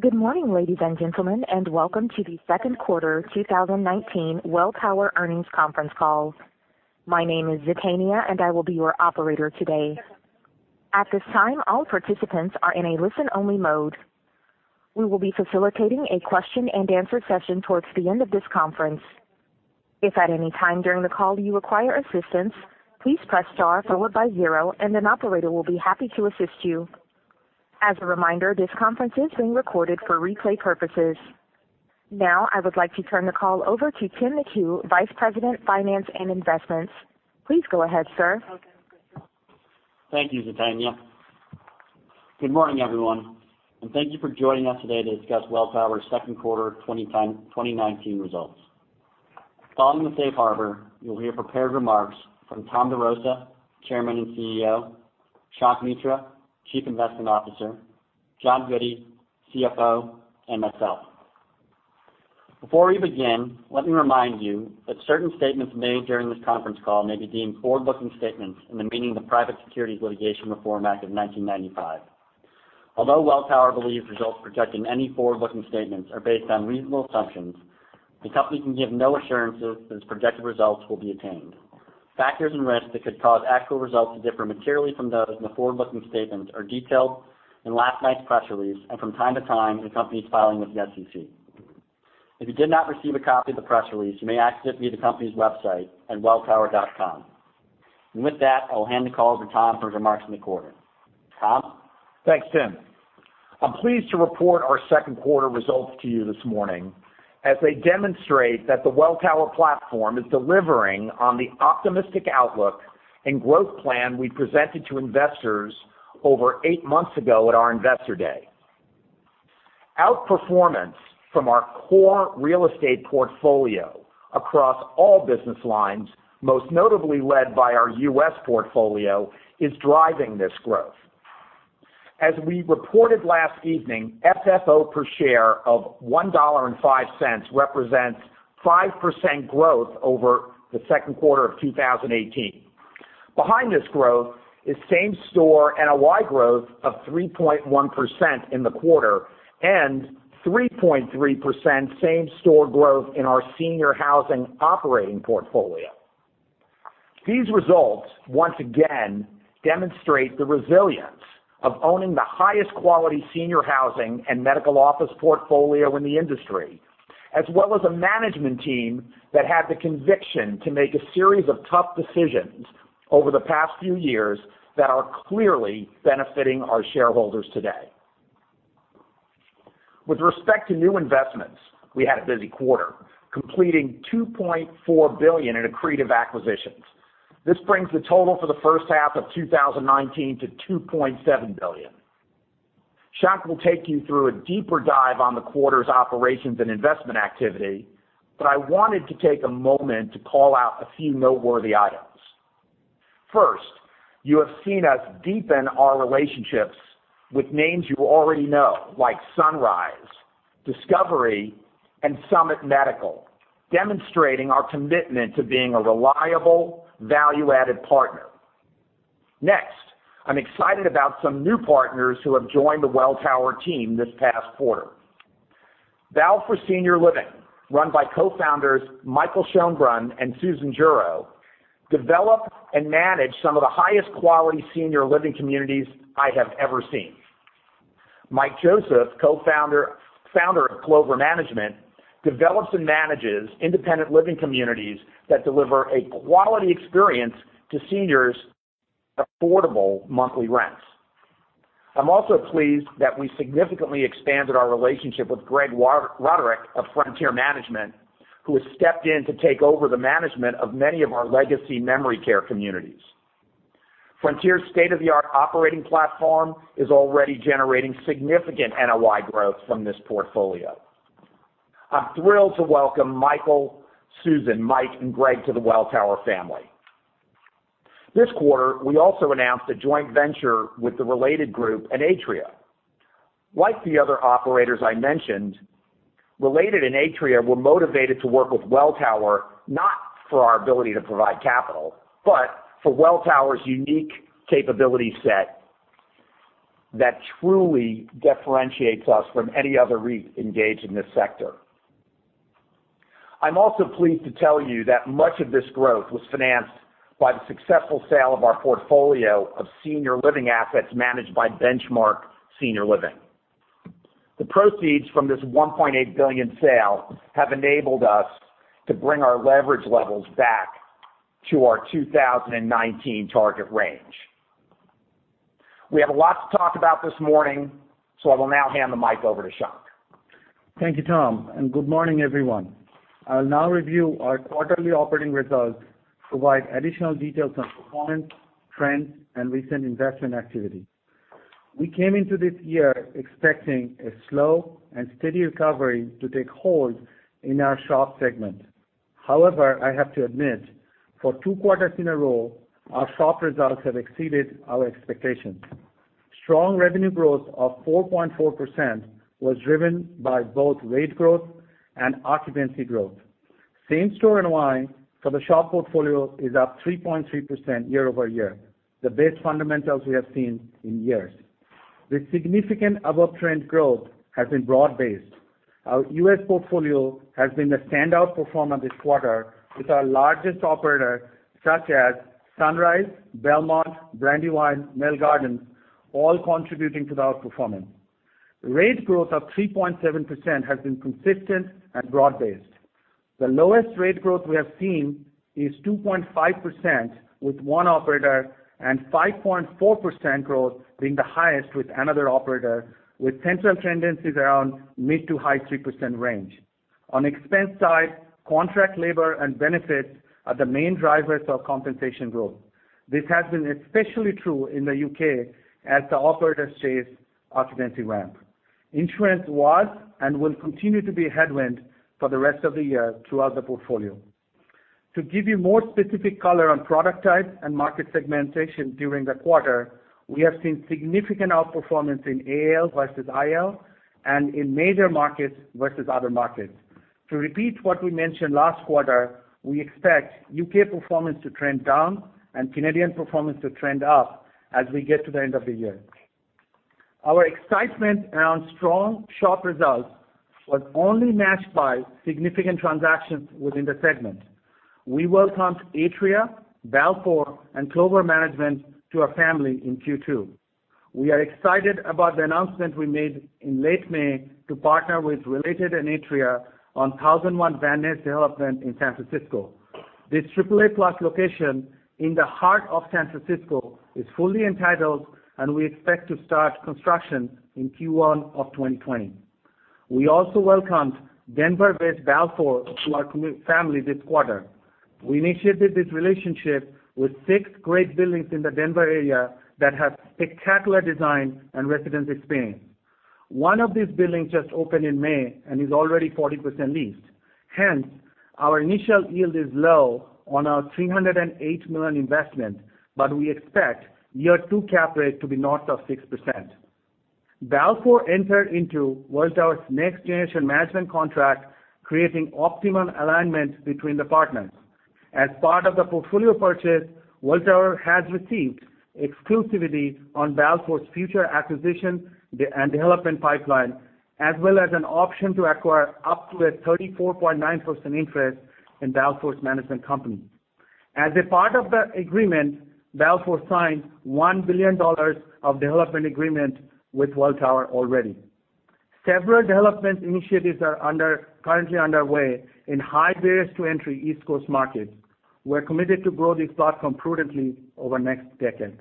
Good morning, ladies and gentlemen, welcome to the second quarter 2019 Welltower earnings conference call. My name is Zetania, and I will be your operator today. At this time, all participants are in a listen-only mode. We will be facilitating a question and answer session towards the end of this conference. If at any time during the call you require assistance, please press star followed by zero, and an operator will be happy to assist you. As a reminder, this conference is being recorded for replay purposes. I would like to turn the call over to Tim McHugh, Vice President of Finance and Investments. Please go ahead, sir. Thank you, Zetania. Good morning, everyone, and thank you for joining us today to discuss Welltower's second quarter 2019 results. Following the safe harbor, you'll hear prepared remarks from Tom DeRosa, Chairman and Chief Executive Officer, Shankh Mitra, Chief Investment Officer, John Goodey, Chief Financial Officer, and myself. Before we begin, let me remind you that certain statements made during this conference call may be deemed forward-looking statements in the meaning of the Private Securities Litigation Reform Act of 1995. Although Welltower believes results projecting any forward-looking statements are based on reasonable assumptions, the company can give no assurances that its projected results will be attained. Factors and risks that could cause actual results to differ materially from those in the forward-looking statements are detailed in last night's press release and from time to time in the company's filing with the SEC. If you did not receive a copy of the press release, you may access it via the company's website at welltower.com. With that, I'll hand the call over to Tom for his remarks on the quarter. Tom? Thanks, Tim. I'm pleased to report our second quarter results to you this morning, as they demonstrate that the Welltower platform is delivering on the optimistic outlook and growth plan we presented to investors over eight months ago at our Investor Day. Outperformance from our core real estate portfolio across all business lines, most notably led by our U.S. portfolio, is driving this growth. As we reported last evening, FFO per share of $1.05 represents 5% growth over the second quarter of 2018. Behind this growth is same-store NOI growth of 3.1% in the quarter and 3.3% same-store growth in our senior housing operating portfolio. These results once again demonstrate the resilience of owning the highest quality senior housing and medical office portfolio in the industry, as well as a management team that had the conviction to make a series of tough decisions over the past few years that are clearly benefiting our shareholders today. With respect to new investments, we had a busy quarter, completing $2.4 billion in accretive acquisitions. This brings the total for the first half of 2019 to $2.7 billion. Shankh will take you through a deeper dive on the quarter's operations and investment activity, but I wanted to take a moment to call out a few noteworthy items. First, you have seen us deepen our relationships with names you already know, like Sunrise, Discovery, and Summit Medical, demonstrating our commitment to being a reliable, value-added partner. I'm excited about some new partners who have joined the Welltower team this past quarter. Balfour Senior Living, run by Co-Founders Michael Schonbrun and Susan Juroe, develop and manage some of the highest quality senior living communities I have ever seen. Mike Joseph, Co-Founder of Clover Management, develops and manages independent living communities that deliver a quality experience to seniors at affordable monthly rents. I'm also pleased that we significantly expanded our relationship with Greg Roderick of Frontier Management, who has stepped in to take over the management of many of our legacy memory care communities. Frontier's state-of-the-art operating platform is already generating significant NOI growth from this portfolio. I'm thrilled to welcome Michael, Susan, Mike, and Greg to the Welltower family. This quarter, we also announced a joint venture with the Related Group and Atria. Like the other operators I mentioned, Related and Atria were motivated to work with Welltower not for our ability to provide capital, but for Welltower's unique capability set that truly differentiates us from any other REIT engaged in this sector. I am also pleased to tell you that much of this growth was financed by the successful sale of our portfolio of senior living assets managed by Benchmark Senior Living. The proceeds from this $1.8 billion sale have enabled us to bring our leverage levels back to our 2019 target range. I will now hand the mic over to Shankh. Thank you, Tom, and good morning, everyone. I'll now review our quarterly operating results, provide additional details on performance, trends, and recent investment activity. We came into this year expecting a slow and steady recovery to take hold in our SHOP segment. However, I have to admit, for two quarters in a row, our SHOP results have exceeded our expectations. Strong revenue growth of 4.4% was driven by both rate growth and occupancy growth. Same-store NOI for the SHOP portfolio is up 3.3% year-over-year, the best fundamentals we have seen in years. This significant above-trend growth has been broad-based. Our U.S. portfolio has been the standout performer this quarter with our largest operators, such as Sunrise, Belmont, Brandywine, Merrill Gardens, all contributing to the outperformance. Rate growth of 3.7% has been consistent and broad-based. The lowest rate growth we have seen is 2.5% with one operator and 5.4% growth being the highest with another operator, with central tendencies around mid to high 3% range. On the expense side, contract labor and benefits are the main drivers of compensation growth. This has been especially true in the U.K. as the operators chase occupancy ramp. Insurance was and will continue to be a headwind for the rest of the year throughout the portfolio. To give you more specific color on product type and market segmentation during the quarter, we have seen significant outperformance in AL versus IL and in major markets versus other markets. To repeat what we mentioned last quarter, we expect U.K. performance to trend down and Canadian performance to trend up as we get to the end of the year. Our excitement around strong SHOP results was only matched by significant transactions within the segment. We welcomed Atria, Balfour, and Clover Management to our family in Q2. We are excited about the announcement we made in late May to partner with Related and Atria on 1001 Van Ness development in San Francisco. This triple-A class location in the heart of San Francisco is fully entitled, and we expect to start construction in Q1 of 2020. We also welcomed Denver-based Balfour to our family this quarter. We initiated this relationship with six great buildings in the Denver area that have spectacular design and resident experience. One of these buildings just opened in May and is already 40% leased. Hence, our initial yield is low on our $308 million investment, but we expect year two cap rate to be north of 6%. Balfour entered into Welltower's next generation management contract, creating optimum alignment between the partners. As part of the portfolio purchase, Welltower has received exclusivity on Balfour's future acquisition and development pipeline, as well as an option to acquire up to a 34.9% interest in Balfour's management company. As a part of the agreement, Balfour signed $1 billion of development agreement with Welltower already. Several development initiatives are currently underway in high barriers to entry East Coast markets. We're committed to grow this platform prudently over the next decade.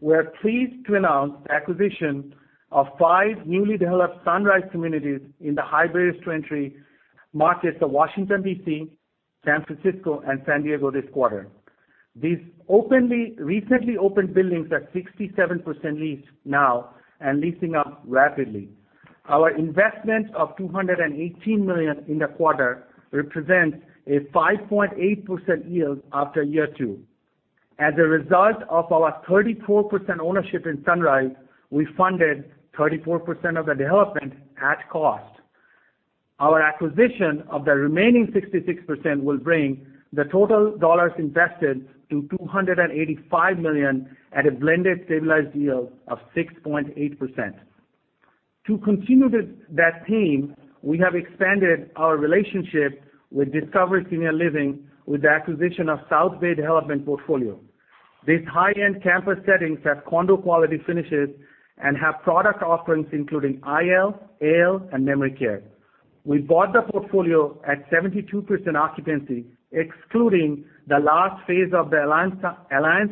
We're pleased to announce the acquisition of five newly developed Sunrise communities in the high barriers to entry markets of Washington, D.C., San Francisco, and San Diego this quarter. These recently opened buildings are 67% leased now and leasing up rapidly. Our investment of $218 million in the quarter represents a 5.8% yield after year two. As a result of our 34% ownership in Sunrise, we funded 34% of the development at cost. Our acquisition of the remaining 66% will bring the total dollars invested to $285 million at a blended stabilized yield of 6.8%. To continue that theme, we have expanded our relationship with Discovery Senior Living with the acquisition of South Bay Development portfolio. These high-end campus settings have condo quality finishes and have product offerings including IL, AL, and memory care. We bought the portfolio at 72% occupancy, excluding the last phase of the Alliance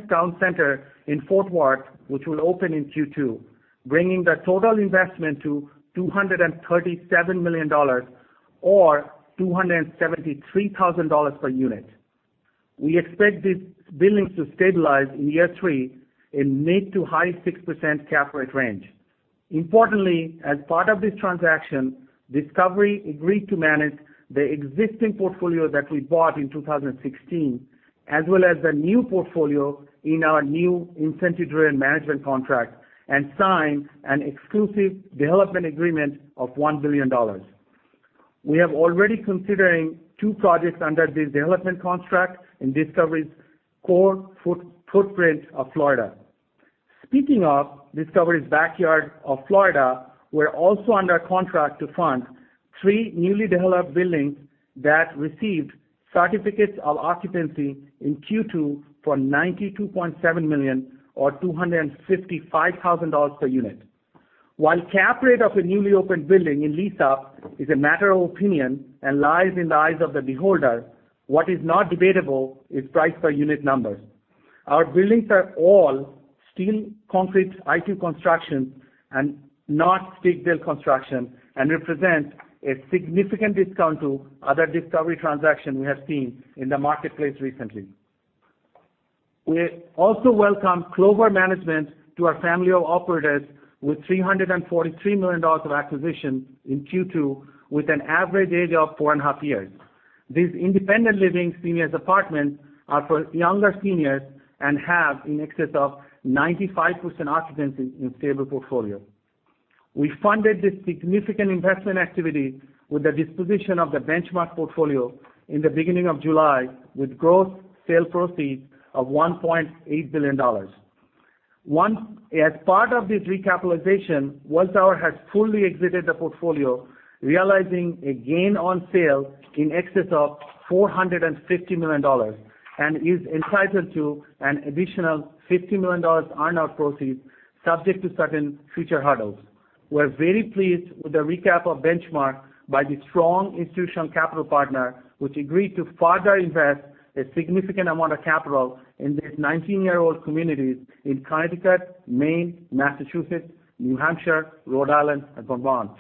Town Center in Fort Worth, which will open in Q2, bringing the total investment to $237 million or $273,000 per unit. We expect these buildings to stabilize in year three in mid to high 6% cap rate range. Importantly, as part of this transaction, Discovery Senior Living agreed to manage the existing portfolio that we bought in 2016, as well as the new portfolio in our new incentive-driven management contract and sign an exclusive development agreement of $1 billion. We are already considering two projects under this development contract in Discovery Senior Living's core footprint of Florida. Speaking of Discovery Senior Living's backyard of Florida, we're also under contract to fund three newly developed buildings that received certificates of occupancy in Q2 for $92.7 million or $255,000 per unit. While cap rate of a newly opened building in lease up is a matter of opinion and lies in the eyes of the beholder, what is not debatable is price per unit numbers. Our buildings are all steel, concrete, Type II construction and not stick-built construction and represent a significant discount to other Discovery Senior Living transactions we have seen in the marketplace recently. We also welcome Clover Management to our family of operators with $343 million of acquisition in Q2, with an average age of four and a half years. These independent living seniors apartments are for younger seniors and have in excess of 95% occupancy in stable portfolio. We funded this significant investment activity with the disposition of the Benchmark portfolio in the beginning of July, with gross sale proceeds of $1.8 billion. As part of this recapitalization, Welltower has fully exited the portfolio, realizing a gain on sale in excess of $450 million, and is entitled to an additional $50 million on our proceeds, subject to certain future hurdles. We're very pleased with the recap of Benchmark by the strong institutional capital partner, which agreed to further invest a significant amount of capital in these 19-year-old communities in Connecticut, Maine, Massachusetts, New Hampshire, Rhode Island, and Vermont.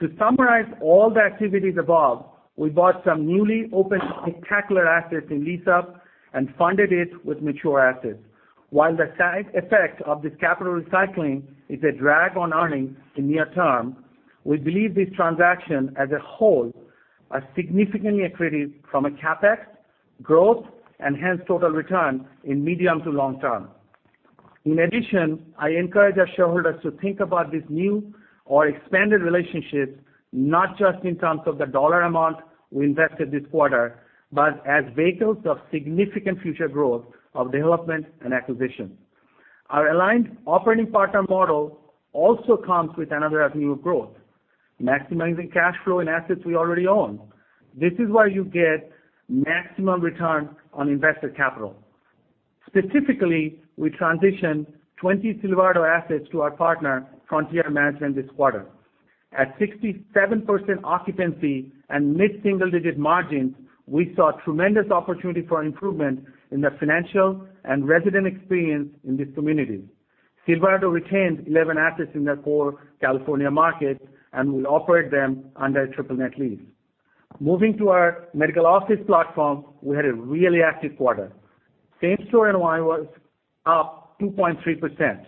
To summarize all the activities above, we bought some newly opened spectacular assets in lease up and funded it with mature assets. While the side effect of this capital recycling is a drag on earnings in near term, we believe these transactions as a whole are significantly accretive from a CapEx, growth, and hence total return in medium to long term. In addition, I encourage our shareholders to think about these new or expanded relationships, not just in terms of the dollar amount we invested this quarter, but as vehicles of significant future growth of development and acquisition. Our aligned operating partner model also comes with another avenue of growth, maximizing cash flow and assets we already own. This is where you get maximum return on invested capital. Specifically, we transitioned 20 Silverado assets to our partner, Frontier Management, this quarter. At 67% occupancy and mid-single-digit margins, we saw tremendous opportunity for improvement in the financial and resident experience in these communities. Silverado retained 11 assets in their core California market and will operate them under a triple net lease. Moving to our medical office platform, we had a really active quarter. Same-store NOI was up 2.3%.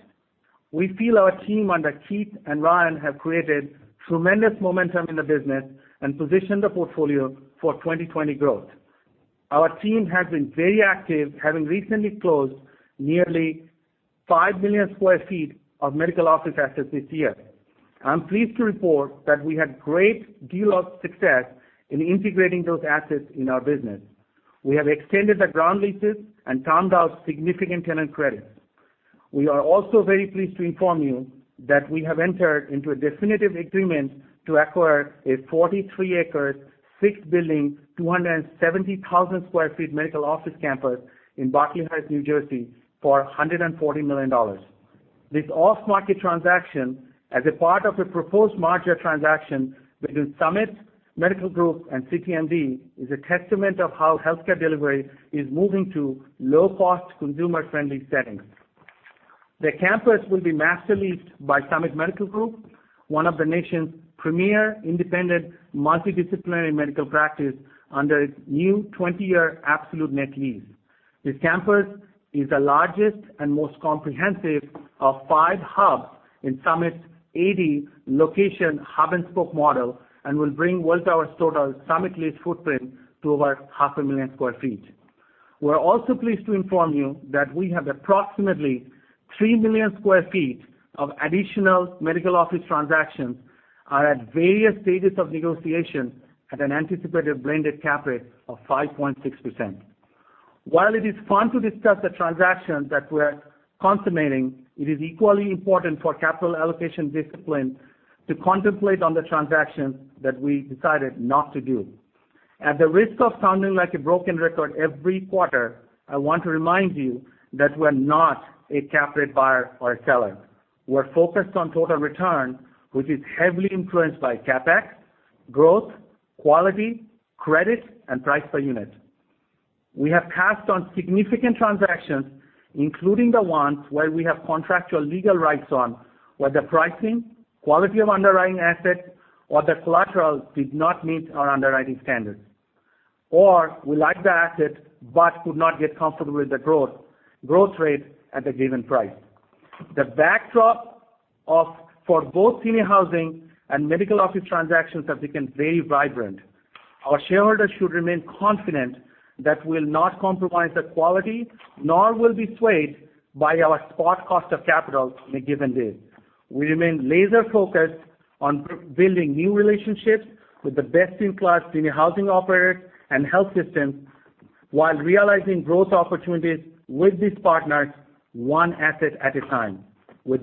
We feel our team under Keith and Ryan have created tremendous momentum in the business and positioned the portfolio for 2020 growth. Our team has been very active, having recently closed nearly 5 million square feet of medical office assets this year. I'm pleased to report that we had great deal of success in integrating those assets in our business. We have extended the ground leases and termed out significant tenant credits. We are also very pleased to inform you that we have entered into a definitive agreement to acquire a 43-acre, 6-building, 270,000-sq ft medical office campus in Berkeley Heights, New Jersey for $140 million. This off-market transaction, as a part of a proposed merger transaction between Summit Medical Group and CityMD, is a testament of how healthcare delivery is moving to low-cost, consumer-friendly settings. The campus will be master leased by Summit Medical Group, one of the nation's premier independent multidisciplinary medical practice under its new 20-year absolute net lease. This campus is the largest and most comprehensive of five hubs in Summit's 80-location hub and spoke model and will bring Welltower's total Summit leased footprint to over 0.5 million square feet. We're also pleased to inform you that we have approximately 3 million square feet of additional medical office transactions are at various stages of negotiation at an anticipated blended Cap rate of 5.6%. While it is fun to discuss the transactions that we're consummating, it is equally important for capital allocation discipline to contemplate on the transactions that we decided not to do. At the risk of sounding like a broken record every quarter, I want to remind you that we're not a Cap rate buyer or a seller. We're focused on total return, which is heavily influenced by CapEx, growth, quality, credit, and price per unit. We have passed on significant transactions, including the ones where we have contractual legal rights on where the pricing, quality of underwriting asset, or the collateral did not meet our underwriting standards. We like the asset but could not get comfortable with the growth rate at the given price. The backdrop for both senior housing and medical office transactions have become very vibrant. Our shareholders should remain confident that we'll not compromise the quality nor will be swayed by our spot cost of capital on a given day. We remain laser focused on building new relationships with the best-in-class senior housing operators and health systems while realizing growth opportunities with these partners one asset at a time. With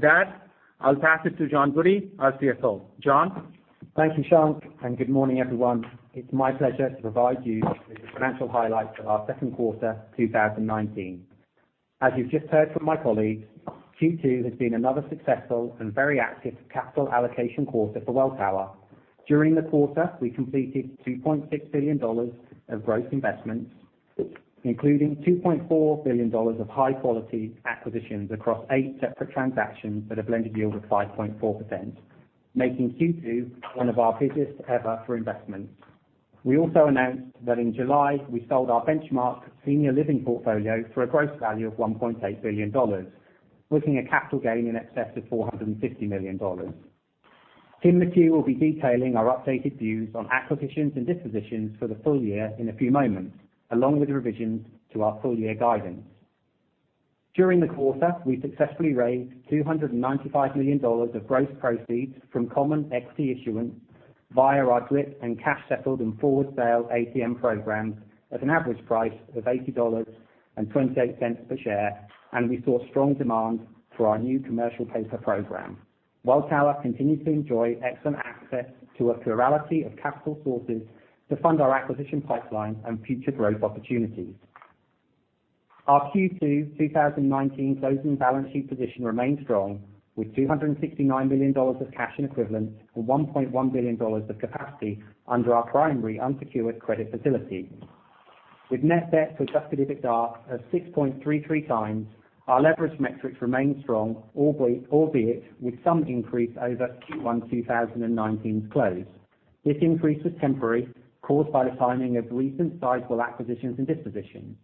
that, I'll pass it to John Goodey, our Chief Financial Officer. John? Thank you, Shankh. Good morning, everyone. It's my pleasure to provide you with the financial highlights of our second quarter 2019. As you've just heard from my colleagues, Q2 has been another successful and very active capital allocation quarter for Welltower. During the quarter, we completed $2.6 billion of gross investments, including $2.4 billion of high-quality acquisitions across eight separate transactions at a blended yield of 5.4%, making Q2 one of our busiest ever for investments. We also announced that in July, we sold our Benchmark Senior Living portfolio for a gross value of $1.8 billion, booking a capital gain in excess of $450 million. Tim McHugh will be detailing our updated views on acquisitions and dispositions for the full year in a few moments, along with revisions to our full year guidance. During the quarter, we successfully raised $295 million of gross proceeds from common equity issuance via our DRIP and cash settled and forward sale ATM programs at an average price of $80.28 per share. We saw strong demand for our new commercial paper program. Welltower continues to enjoy excellent access to a plurality of capital sources to fund our acquisition pipeline and future growth opportunities. Our Q2 2019 closing balance sheet position remains strong with $269 million of cash and equivalents and $1.1 billion of capacity under our primary unsecured credit facility. With net debt to adjusted EBITDA of 6.33x, our leverage metrics remain strong, albeit with some increase over Q1 2019's close. This increase was temporary, caused by the timing of recent sizable acquisitions and dispositions.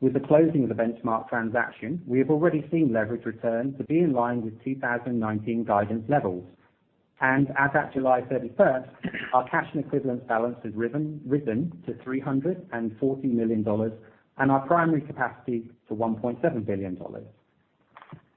With the closing of the Benchmark transaction, we have already seen leverage return to be in line with 2019 guidance levels. As at July 31, our cash and equivalents balance has risen to $340 million and our primary capacity to $1.7 billion.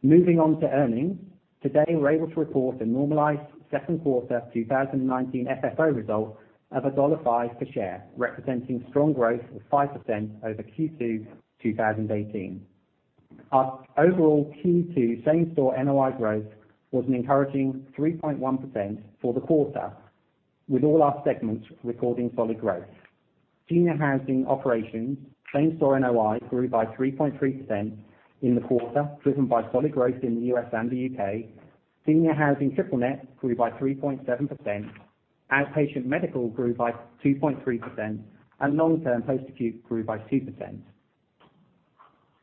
Moving on to earnings. Today, we're able to report a normalized second quarter 2019 FFO result of $1.05 per share, representing strong growth of 5% over Q2 2018. Our overall Q2 same store NOI growth was an encouraging 3.1% for the quarter, with all our segments recording solid growth. Senior housing operations same store NOI grew by 3.3% in the quarter, driven by solid growth in the U.S. and the U.K. Senior housing triple net grew by 3.7%, outpatient medical grew by 2.3%, and long-term post-acute grew by 2%.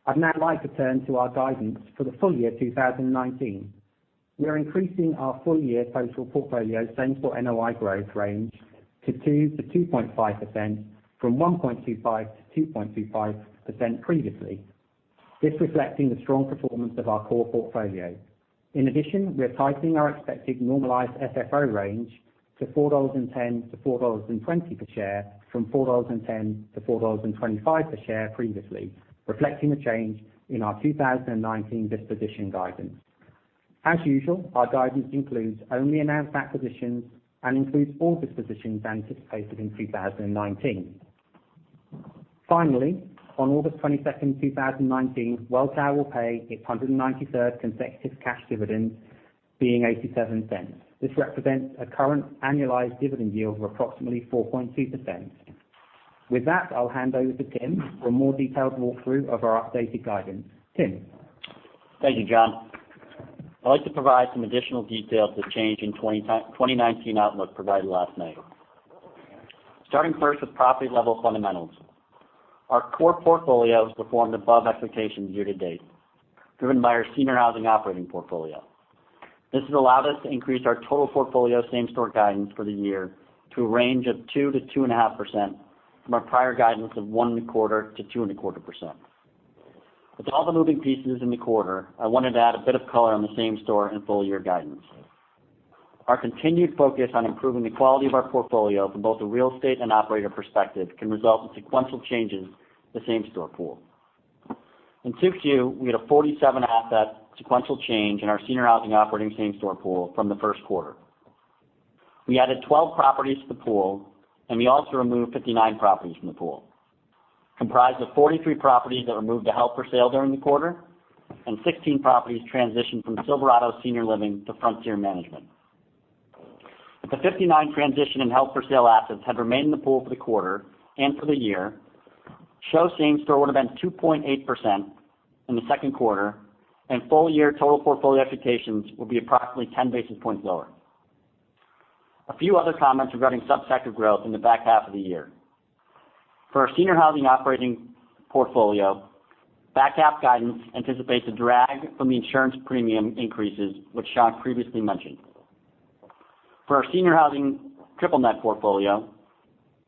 I'd now like to turn to our guidance for the full year 2019. We are increasing our full year total portfolio same store NOI growth range to 2% to 2.5%, from 1.25% to 2.25% previously. This reflecting the strong performance of our core portfolio. We are tightening our expected normalized FFO range to $4.10 to $4.20 per share from $4.10 to $4.25 per share previously, reflecting the change in our 2019 disposition guidance. As usual, our guidance includes only announced acquisitions and includes all dispositions anticipated in 2019. On August 22, 2019, Welltower will pay its 193rd consecutive cash dividend, being $0.87. This represents a current annualized dividend yield of approximately 4.2%. I'll hand over to Tim for a more detailed walkthrough of our updated guidance. Tim? Thank you, John. I'd like to provide some additional details of the change in 2019 outlook provided last night. Starting first with property level fundamentals. Our core portfolio has performed above expectations year to date, driven by our senior housing operating portfolio. This has allowed us to increase our total portfolio same store guidance for the year to a range of 2% to 2.5% from our prior guidance of 1.25% to 2.25%. With all the moving pieces in the quarter, I wanted to add a bit of color on the same store and full year guidance. Our continued focus on improving the quality of our portfolio from both a real estate and operator perspective can result in sequential changes to the same store pool. In 2Q, we had a 47 asset sequential change in our senior housing operating same store pool from the first quarter. We added 12 properties to the pool, and we also removed 59 properties from the pool, comprised of 43 properties that were moved to held for sale during the quarter and 16 properties transitioned from Silverado Senior Living to Frontier Management. If the 59 transition and held for sale assets had remained in the pool for the quarter and for the year, SHOP same store would've been 2.8% in the second quarter and full year total portfolio expectations would be approximately 10 basis points lower. A few other comments regarding sub-sector growth in the back half of the year. For our senior housing operating portfolio, back half guidance anticipates a drag from the insurance premium increases, which Shankh previously mentioned. For our senior housing triple net portfolio,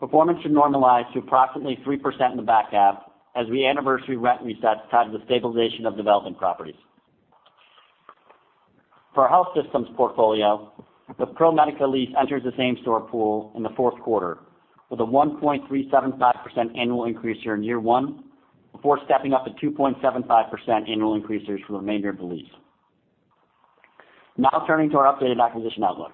performance should normalize to approximately 3% in the back half as we anniversary rent resets tied to the stabilization of development properties. For our health systems portfolio, the ProMedica lease enters the same store pool in the fourth quarter with a 1.375% annual increase during year one before stepping up to 2.75% annual increases for the remainder of the lease. Turning to our updated acquisition outlook.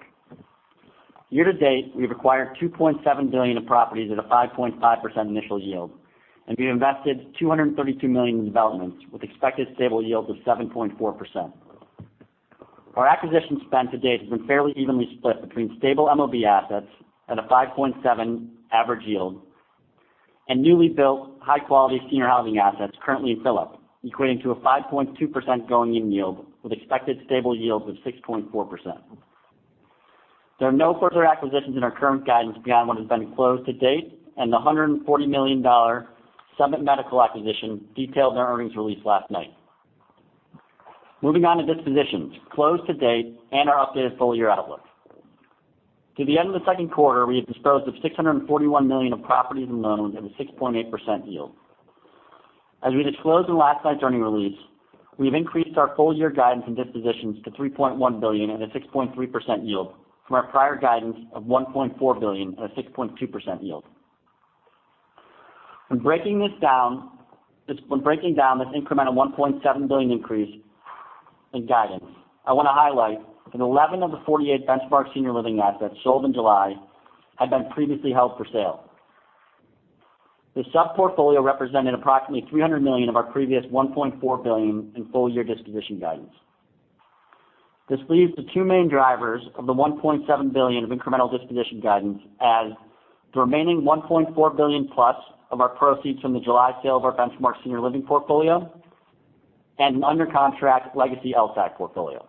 Year-to-date, we've acquired $2.7 billion of properties at a 5.5% initial yield, and we invested $232 million in developments with expected stable yields of 7.4%. Our acquisition spend to date has been fairly evenly split between stable MOB assets at a 5.7% average yield and newly built high quality senior housing assets currently in fill-up, equating to a 5.2% going in yield with expected stable yields of 6.4%. There are no further acquisitions in our current guidance beyond what has been closed to date and the $140 million Summit Medical acquisition detailed in our earnings release last night. Moving on to dispositions closed to date and our updated full year outlook. Through the end of the second quarter, we have disposed of $641 million of properties and loans at a 6.8% yield. As we disclosed in last night's earnings release, we've increased our full year guidance and dispositions to $3.1 billion at a 6.3% yield from our prior guidance of $1.4 billion at a 6.2% yield. When breaking down this incremental $1.7 billion increase in guidance, I want to highlight that 11 of the 48 Benchmark Senior Living assets sold in July had been previously held for sale. This sub-portfolio represented approximately $300 million of our previous $1.4 billion in full year disposition guidance. This leaves the two main drivers of the $1.7 billion of incremental disposition guidance as the remaining $1.4 billion-plus of our proceeds from the July sale of our Benchmark Senior Living portfolio and an under contract legacy LTAC portfolio.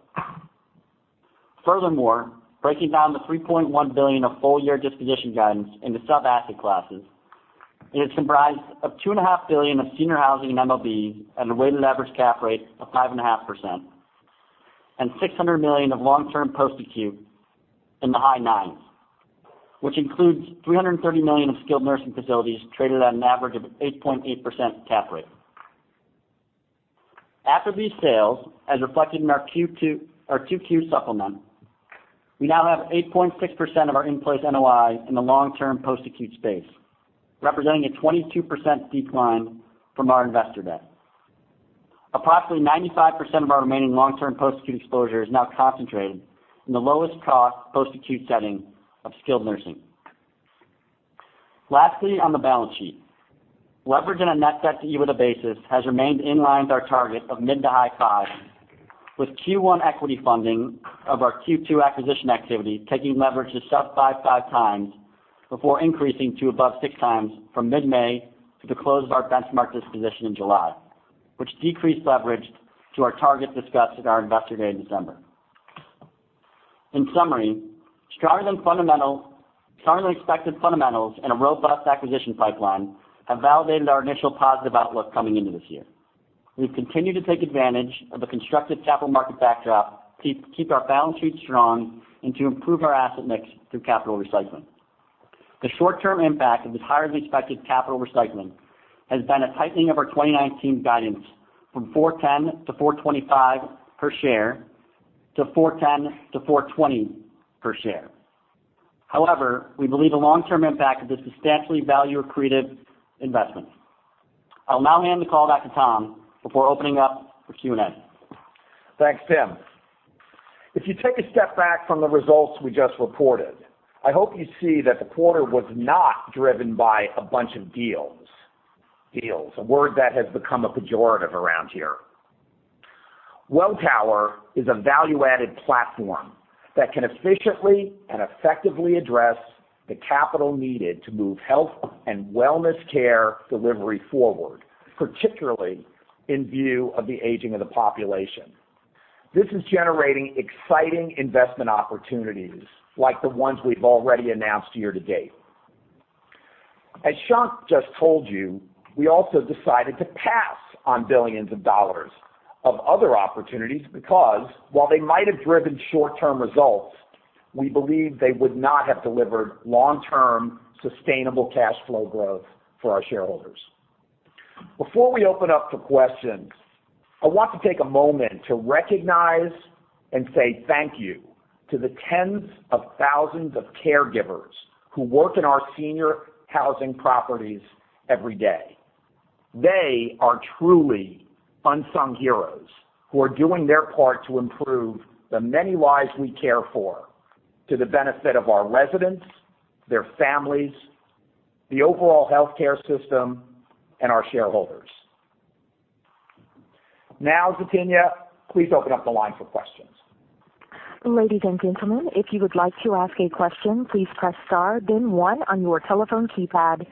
Furthermore, breaking down the $3.1 billion of full year disposition guidance into sub-asset classes, it is comprised of $2.5 billion of senior housing in MOBs at a weighted average cap rate of 5.5% and $600 million of long-term post-acute in the high nines, which includes $330 million of skilled nursing facilities traded at an average of 8.8% cap rate. After these sales, as reflected in our 2Q supplement, we now have 8.6% of our in-place NOI in the long-term post-acute space, representing a 22% decline from our Investor Day. Approximately 95% of our remaining long-term post-acute exposure is now concentrated in the lowest cost post-acute setting of skilled nursing. Lastly, on the balance sheet, leverage on a net debt-to-EBITDA basis has remained in line with our target of mid to high fives, with Q1 equity funding of our Q2 acquisition activity taking leverage to sub 5.5x before increasing to above 6x from mid-May to the close of our Benchmark disposition in July, which decreased leverage to our target discussed at our Investor Day in December. In summary, stronger than expected fundamentals and a robust acquisition pipeline have validated our initial positive outlook coming into this year. We've continued to take advantage of the constructive capital market backdrop, to keep our balance sheet strong and to improve our asset mix through capital recycling. The short-term impact of this higher than expected capital recycling has been a tightening of our 2019 guidance from $4.10 to $4.25 per share to $4.10 to $4.20 per share. We believe a long-term impact of this substantially value accretive investment. I'll now hand the call back to Tom before opening up for Q&A. Thanks, Tim. If you take a step back from the results we just reported, I hope you see that the quarter was not driven by a bunch of deals. Deals, a word that has become a pejorative around here. Welltower is a value-added platform that can efficiently and effectively address the capital needed to move health and wellness care delivery forward, particularly in view of the aging of the population. This is generating exciting investment opportunities like the ones we've already announced year to date. As Shankh just told you, we also decided to pass on billions of dollars of other opportunities because, while they might have driven short-term results, we believe they would not have delivered long-term sustainable cash flow growth for our shareholders. Before we open up to questions, I want to take a moment to recognize and say thank you to the tens of thousands of caregivers who work in our senior housing properties every day. They are truly unsung heroes who are doing their part to improve the many lives we care for, to the benefit of our residents, their families, the overall healthcare system, and our shareholders. Now, Zatina, please open up the line for questions. Ladies and gentlemen, if you would like to ask a question, please press star then one on your telephone keypad.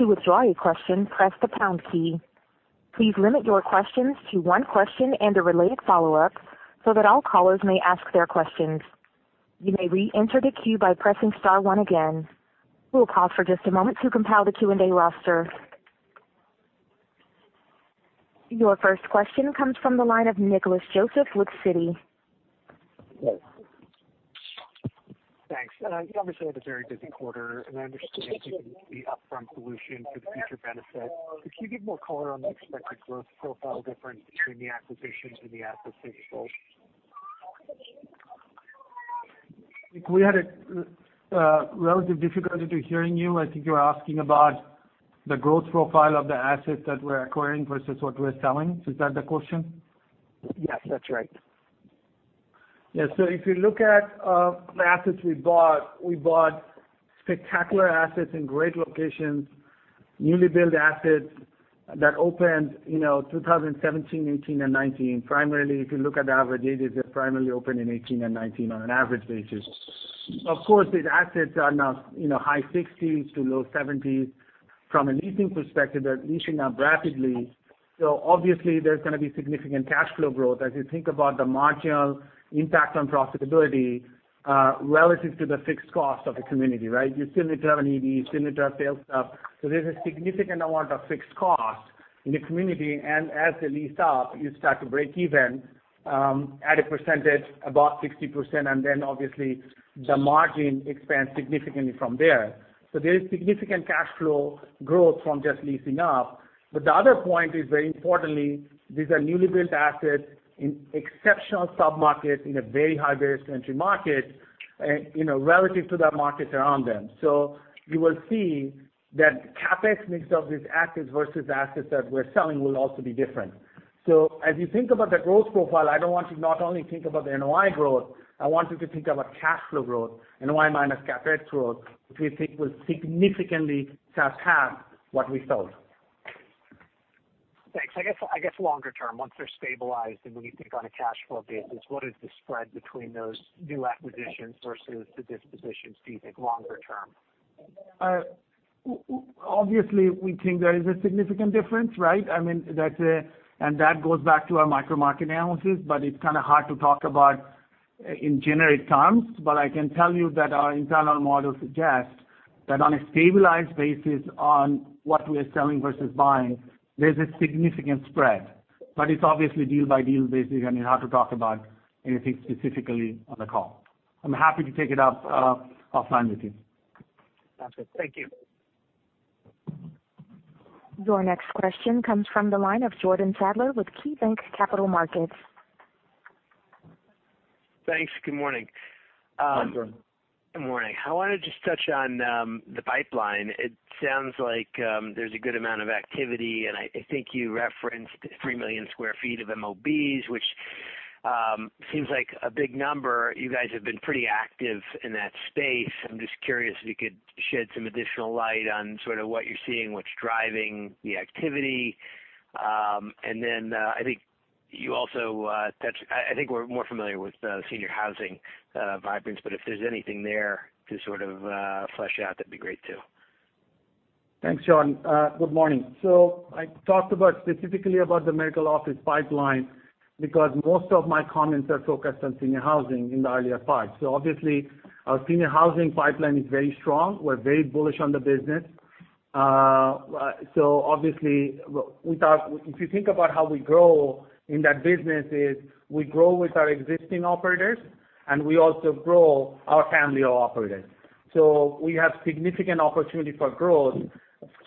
To withdraw your question, press the pound key. Please limit your questions to one question and a related follow-up so that all callers may ask their questions. You may reenter the queue by pressing star one again. We will pause for just a moment to compile the Q&A roster. Your first question comes from the line of Nicholas Joseph with Citi. Thanks. You obviously had a very busy quarter, and I understand you can be upfront solution to the future benefit. Could you give more color on the expected growth profile difference between the acquisitions and the asset sales? We had a relative difficulty to hearing you. I think you're asking about the growth profile of the assets that we're acquiring versus what we're selling. Is that the question? Yes, that's right. Yeah. If you look at the assets we bought, we bought spectacular assets in great locations, newly built assets that opened 2017, 2018, and 2019. Primarily, if you look at the average ages, they primarily opened in 2018 and 2019 on an average basis. Of course, these assets are now high 60s to low 70s. From a leasing perspective, they're leasing up rapidly. Obviously, there's going to be significant cash flow growth as you think about the marginal impact on profitability relative to the fixed cost of the community, right? You still need to have an ED, you still need to have sales staff. There's a significant amount of fixed costs in the community, and as they lease up, you start to break even at a percentage, about 60%, and then obviously the margin expands significantly from there. There is significant cash flow growth from just leasing up. The other point is, very importantly, these are newly built assets in exceptional sub-markets in a very high barrier to entry market, relative to the markets around them. You will see that CapEx mix of these assets versus assets that we're selling will also be different. As you think about the growth profile, I don't want you to not only think about the NOI growth, I want you to think about cash flow growth, NOI minus CapEx growth, which we think will significantly surpass what we sold. Thanks. I guess longer term, once they're stabilized and when you think on a cash flow basis, what is the spread between those new acquisitions versus the dispositions, do you think, longer term? Obviously, we think there is a significant difference, right? That goes back to our micro market analysis, it's kind of hard to talk about in generic terms. I can tell you that our internal model suggests that on a stabilized basis on what we are selling versus buying, there's a significant spread. It's obviously deal by deal basis, and you have to talk about anything specifically on the call. I'm happy to take it up offline with you. Sounds good. Thank you. Your next question comes from the line of Jordan Sadler with KeyBanc Capital Markets. Thanks. Good morning? Hi, Jordan. Good morning? I wanted to touch on the pipeline. It sounds like there's a good amount of activity. I think you referenced 3 million square feet of MOBs, which seems like a big number. You guys have been pretty active in that space. I'm just curious if you could shed some additional light on sort of what you're seeing, what's driving the activity. Then, I think we're more familiar with the senior housing vibrance, but if there's anything there to sort of flesh out, that'd be great, too. Thanks, Jordan. Good morning. I talked specifically about the medical office pipeline because most of my comments are focused on senior housing in the earlier part. Obviously, our senior housing pipeline is very strong. We're very bullish on the business. Obviously, if you think about how we grow in that business, is we grow with our existing operators and we also grow our family of operators. We have significant opportunity for growth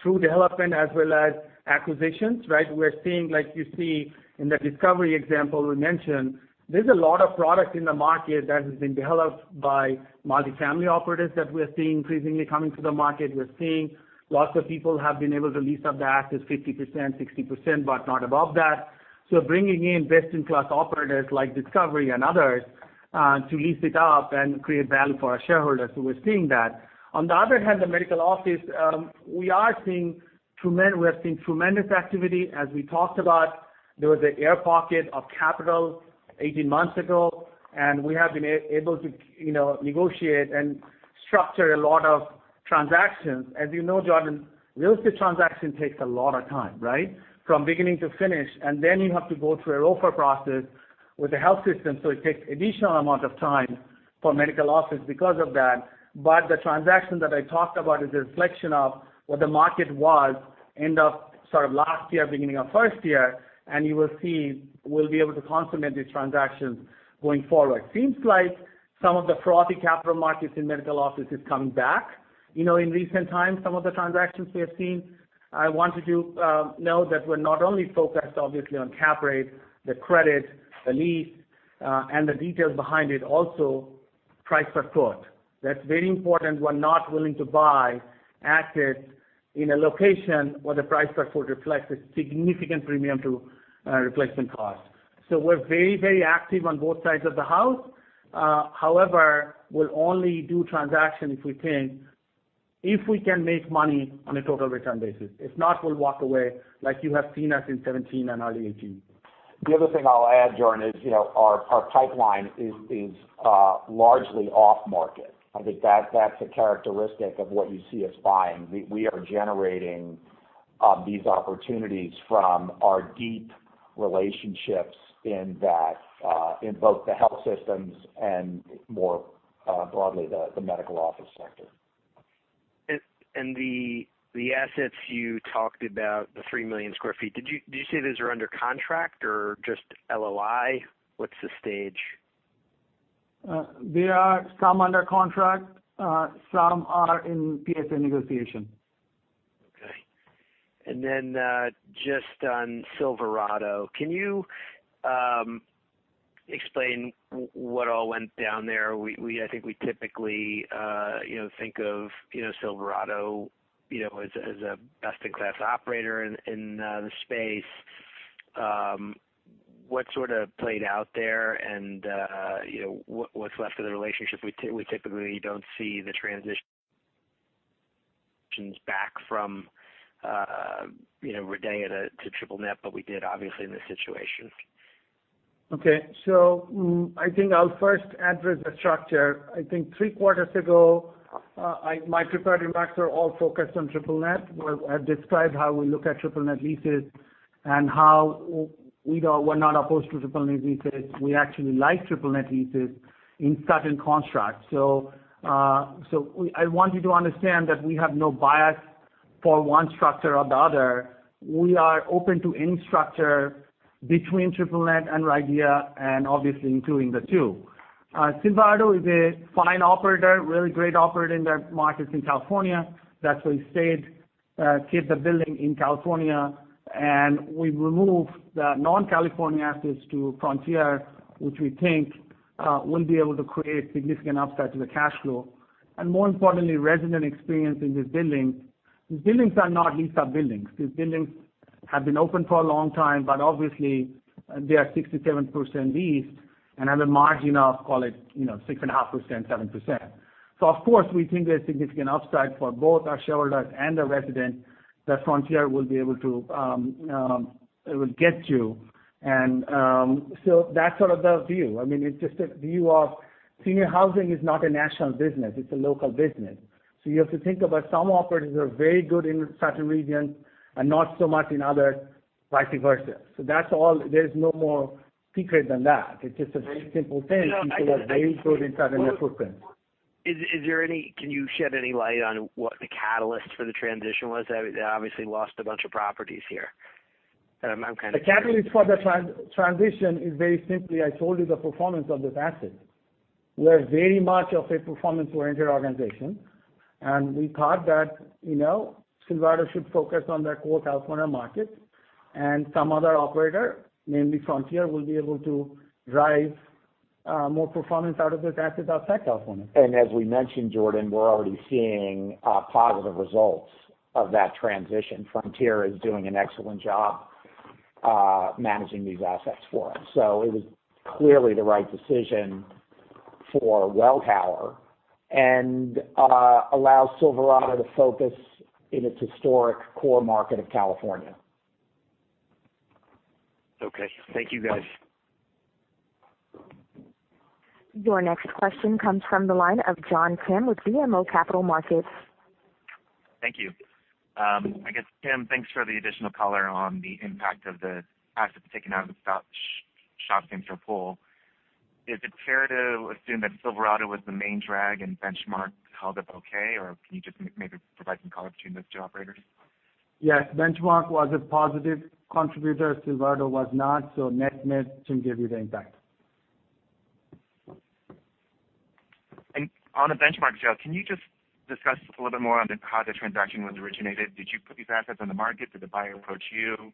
through development as well as acquisitions, right? We're seeing, like you see in the Discovery example we mentioned, there's a lot of product in the market that has been developed by multi-family operators that we are seeing increasingly coming to the market. We're seeing lots of people have been able to lease up the assets 50%, 60%, but not above that. Bringing in best-in-class operators like Discovery and others to lease it up and create value for our shareholders. We're seeing that. On the other hand, the medical office, we are seeing tremendous activity. As we talked about, there was an air pocket of capital 18 months ago. We have been able to negotiate and structure a lot of transactions. As you know, Jordan, real estate transaction takes a lot of time, right? From beginning to finish. You have to go through a ROFO process with the health system. It takes additional amount of time for medical office because of that. The transaction that I talked about is a reflection of what the market was end of sort of last year, beginning of first year. You will see we'll be able to consummate these transactions going forward. Seems like some of the frothy capital markets in medical office is coming back. In recent times, some of the transactions we have seen, I wanted you to know that we're not only focused obviously on cap rate, the credit, the lease, and the details behind it. Also, price per foot. That's very important. We're not willing to buy assets in a location where the price per foot reflects a significant premium to replacement cost. We're very active on both sides of the house. We'll only do transaction if we can make money on a total return basis. If not, we'll walk away, like you have seen us in 2017 and early 2018. The other thing I'll add, Jordan, is our pipeline is largely off market. I think that's a characteristic of what you see us buying. We are generating these opportunities from our deep relationships in both the health systems and more broadly, the medical office sector. The assets you talked about, the 3 million square feet, did you say those are under contract or just LOI? What's the stage? They are some under contract. Some are in PSA negotiation. Okay. Just on Silverado, can you explain what all went down there? I think we typically think of Silverado as a best-in-class operator in the space. What sort of played out there, and what's left of the relationship? We typically don't see the transitions back from RIDEA to triple net, but we did, obviously, in this situation. Okay. I think I'll first address the structure. I think three quarters ago, my prepared remarks are all focused on triple net. I've described how we look at triple net leases and how we're not opposed to triple net leases. We actually like triple net leases in certain constructs. I want you to understand that we have no bias for one structure or the other. We are open to any structure between triple net and RIDEA, and obviously including the two. Silverado is a fine operator, really great operator in their markets in California. That's why we stayed, keep the building in California, and we've removed the non-California assets to Frontier, which we think will be able to create significant upside to the cash flow. More importantly, resident experience in these buildings. These buildings are not lease-up buildings. These buildings have been open for a long time. Obviously, they are 67% leased and have a margin of, call it, 6.5%, 7%. Of course, we think there's significant upside for both our shareholders and the residents that Frontier will be able to get to. That's sort of the view. It's just a view of senior housing is not a national business, it's a local business. You have to think about some operators are very good in certain regions and not so much in others, vice versa. That's all. There's no more secret than that. It's just a very simple thing. People are very good in certain footprints. Can you shed any light on what the catalyst for the transition was? They obviously lost a bunch of properties here. I'm kind of curious. The catalyst for the transition is very simply, I told you the performance of this asset. We're very much of a performance-oriented organization, we thought that Silverado should focus on their core California markets and some other operator, namely Frontier, will be able to drive more performance out of this asset outside California. As we mentioned, Jordan, we're already seeing positive results of that transition. Frontier is doing an excellent job managing these assets for us. It was clearly the right decision for Welltower and allows Silverado to focus in its historic core market of California. Okay. Thank you, guys. Your next question comes from the line of John Kim with BMO Capital Markets. Thank you. I guess, Tim, thanks for the additional color on the impact of the assets taken out of the SHOP-center pool. Is it fair to assume that Silverado was the main drag and Benchmark held up okay, or can you just maybe provide some color between those two operators? Yes. Benchmark was a positive contributor. Silverado was not. Net-net shouldn't give you the impact. On a Benchmark sale, can you just discuss a little bit more on how the transaction was originated? Did you put these assets on the market? Did the buyer approach you,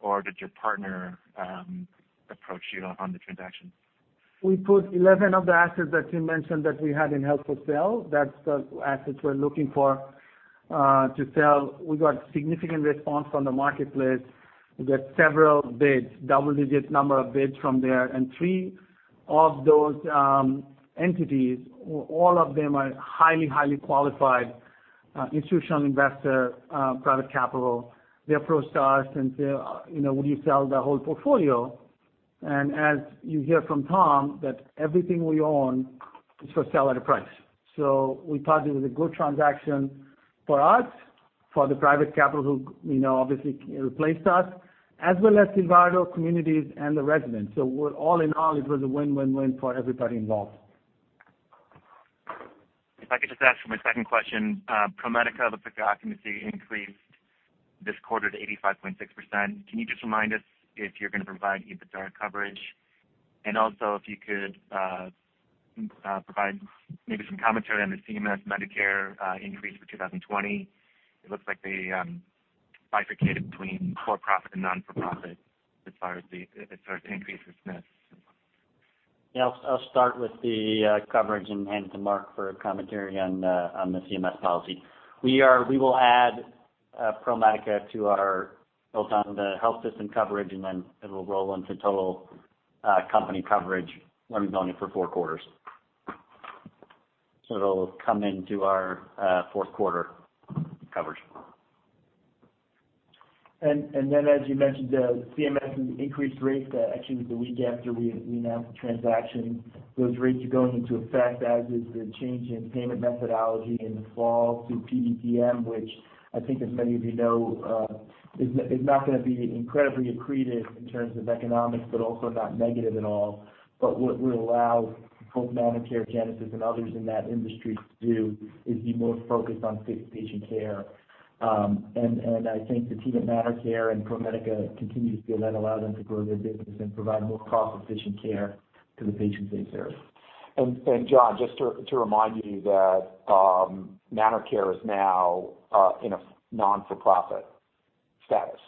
or did your partner approach you on the transaction? We put 11 of the assets that Tim mentioned that we had in held for sale. That's the assets we're looking for to sell. We got significant response from the marketplace. We got several bids, double-digit number of bids from there, and three of those entities, all of them are highly qualified institutional investor private capital. They approached us and said, would you sell the whole portfolio? As you hear from Tom, that everything we own is for sale at a price. We thought it was a good transaction for us, for the private capital who obviously replaced us, as well as Silverado communities and the residents. All in all, it was a win-win-win for everybody involved. If I could just ask for my second question. ProMedica, the occupancy increased this quarter to 85.6%. Can you just remind us if you're going to provide EBITDA coverage? Also if you could provide maybe some commentary on the CMS Medicare increase for 2020. It looks like they bifurcated between for-profit and non-for-profit as far as the sort of increases SNF. I'll start with the coverage and hand it to McHugh for commentary on the CMS policy. We will add ProMedica to our built on the health system coverage, and then it'll roll into total company coverage when we've owned it for four quarters. It'll come into our fourth quarter coverage. As you mentioned, the CMS increased rates actually the week after we announced the transaction. Those rates are going into effect, as is the change in payment methodology in the fall through PDPM, which I think as many of you know, is not going to be incredibly accretive in terms of economics, but also not negative at all. What will allow both ManorCare, Genesis, and others in that industry to do is be more focused on patient care. I think the team at ManorCare and ProMedica continue to feel that allow them to grow their business and provide more cost-efficient care to the patients they serve. John, just to remind you that ManorCare is now in a not-for-profit status.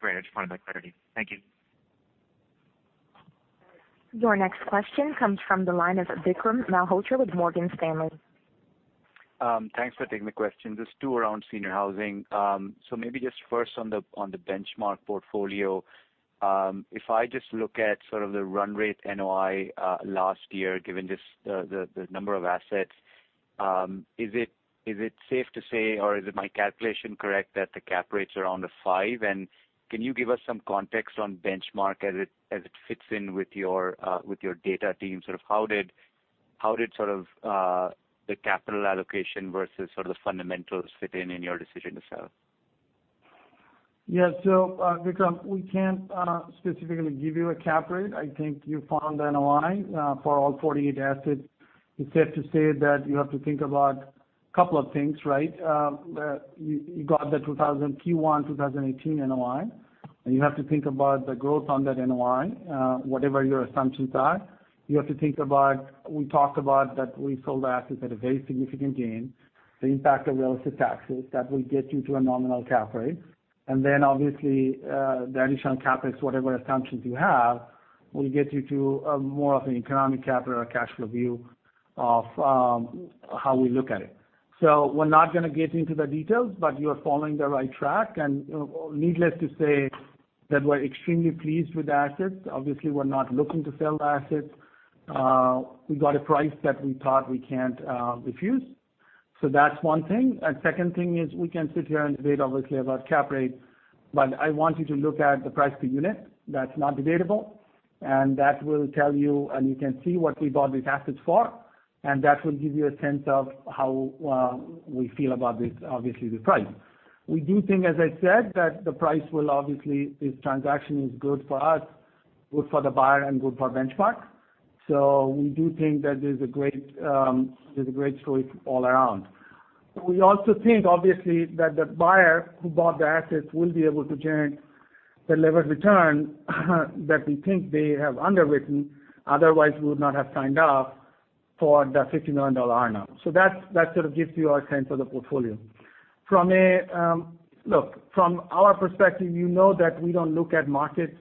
Great. I just wanted that clarity. Thank you. Your next question comes from the line of Vikram Malhotra with Morgan Stanley. Thanks for taking the question. Just two around senior housing. Maybe just first on the Benchmark portfolio. If I just look at sort of the run rate NOI last year, given just the number of assets. Is it safe to say, or is my calculation correct, that the cap rate's around a five? Can you give us some context on Benchmark as it fits in with your data team? How did the capital allocation versus the fundamentals fit in in your decision to sell? Yes. Vikram, we can't specifically give you a cap rate. I think you found NOI for all 48 assets. It's safe to say that you have to think about a couple of things. You got the Q1 2018 NOI, and you have to think about the growth on that NOI, whatever your assumptions are. You have to think about, we talked about that we sold the assets at a very significant gain, the impact of relative taxes that will get you to a nominal cap rate. Then obviously, the additional cap rates, whatever assumptions you have, will get you to more of an economic capital or cash flow view of how we look at it. We're not going to get into the details, but you're following the right track. Needless to say, that we're extremely pleased with the assets. Obviously, we're not looking to sell the assets. We got a price that we thought we can't refuse. That's one thing. Second thing is we can sit here and debate, obviously, about cap rate. I want you to look at the price per unit. That's not debatable. That will tell you, and you can see what we bought these assets for. That will give you a sense of how we feel about this, obviously, the price. We do think, as I said, that this transaction is good for us, good for the buyer, and good for Benchmark. We do think that this is a great choice all around. We also think, obviously, that the buyer who bought the assets will be able to generate the level of return that we think they have underwritten. Otherwise, we would not have signed up for the [$59] earn out. That sort of gives you our sense of the portfolio. Look, from our perspective, you know that we don't look at markets.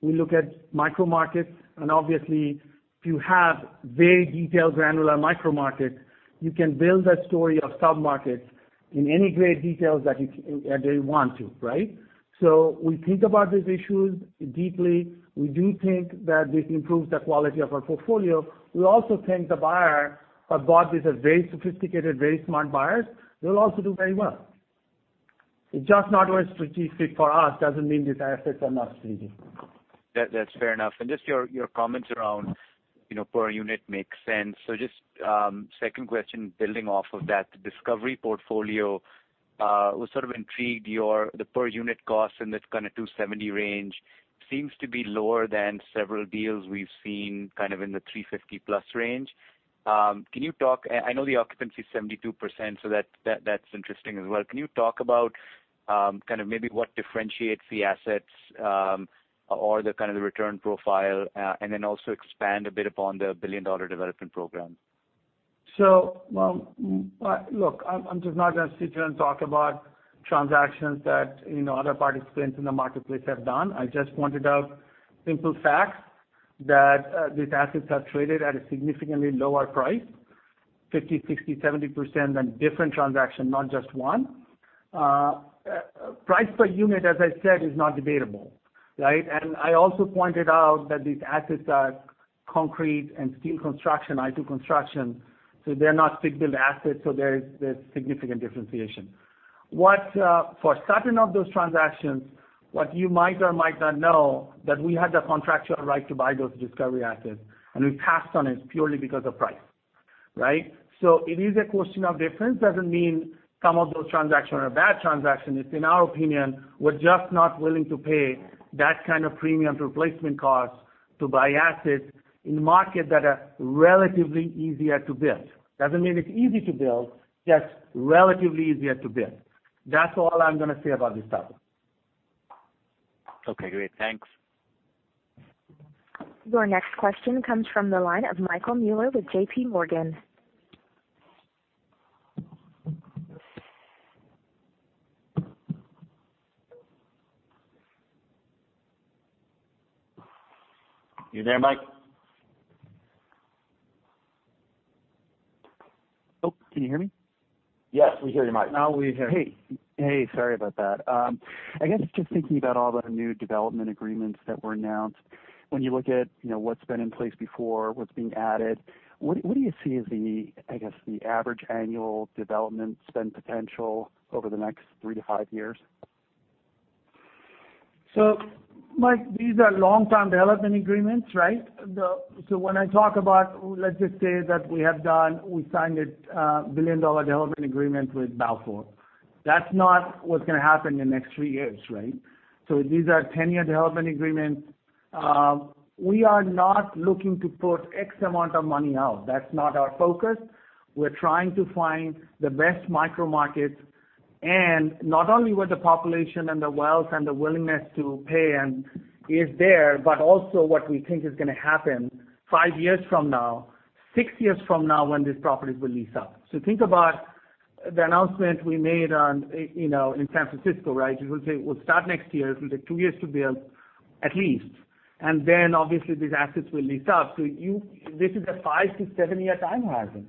We look at micro markets. Obviously, if you have very detailed, granular micro markets, you can build that story of sub-markets in any great details that they want to. We think about these issues deeply. We do think that this improves the quality of our portfolio. We also think the buyer who bought this are very sophisticated, very smart buyers. They will also do very well. It's just not where it strategically fit for us, doesn't mean these assets are not strategic. That's fair enough. Just your comments around per unit makes sense. Just, second question building off of that. The Discovery portfolio, the per unit cost in the $270 range seems to be lower than several deals we've seen kind of in the $350-plus range. I know the occupancy is 72%, that's interesting as well. Can you talk about maybe what differentiates the assets, or the return profile, and then also expand a bit upon the billion-dollar development program? Look, I'm just not going to sit here and talk about transactions that other participants in the marketplace have done. I just pointed out simple facts that these assets are traded at a significantly lower price, 50%, 60%, 70% than different transaction, not just one. Price per unit, as I said, is not debatable. I also pointed out that these assets are concrete and steel construction, I-II construction, so they're not stick-built assets, so there's significant differentiation. For certain of those transactions, what you might or might not know, that we had the contractual right to buy those Discovery assets, and we passed on it purely because of price. It is a question of difference. Doesn't mean some of those transactions are a bad transaction. It's in our opinion, we're just not willing to pay that kind of premium to replacement costs to buy assets in the market that are relatively easier to build. Doesn't mean it's easy to build, just relatively easier to build. That's all I'm going to say about this topic. Okay, great. Thanks. Your next question comes from the line of Michael Mueller with JPMorgan. You there, Mike? Oh, can you hear me? Yes, we hear you, Mike. Now we hear you. Hey. Sorry about that. I guess just thinking about all the new development agreements that were announced. When you look at what's been in place before, what's being added, what do you see as the average annual development spend potential over the next three to five years? Mike, these are long-term development agreements. When I talk about, let's say that we have done, we signed a $1 billion development agreement with Balfour. That's not what's going to happen in the next three years. These are 10-year development agreements. We are not looking to put X amount of money out. That's not our focus. We're trying to find the best micro markets, and not only where the population and the wealth and the willingness to pay is there, but also what we think is going to happen five years from now, six years from now, when these properties will lease up. Think about the announcement we made in San Francisco. We'll say it will start next year. It will take two years to build, at least. Then obviously these assets will lease up. This is a five-year to seven-year time horizon.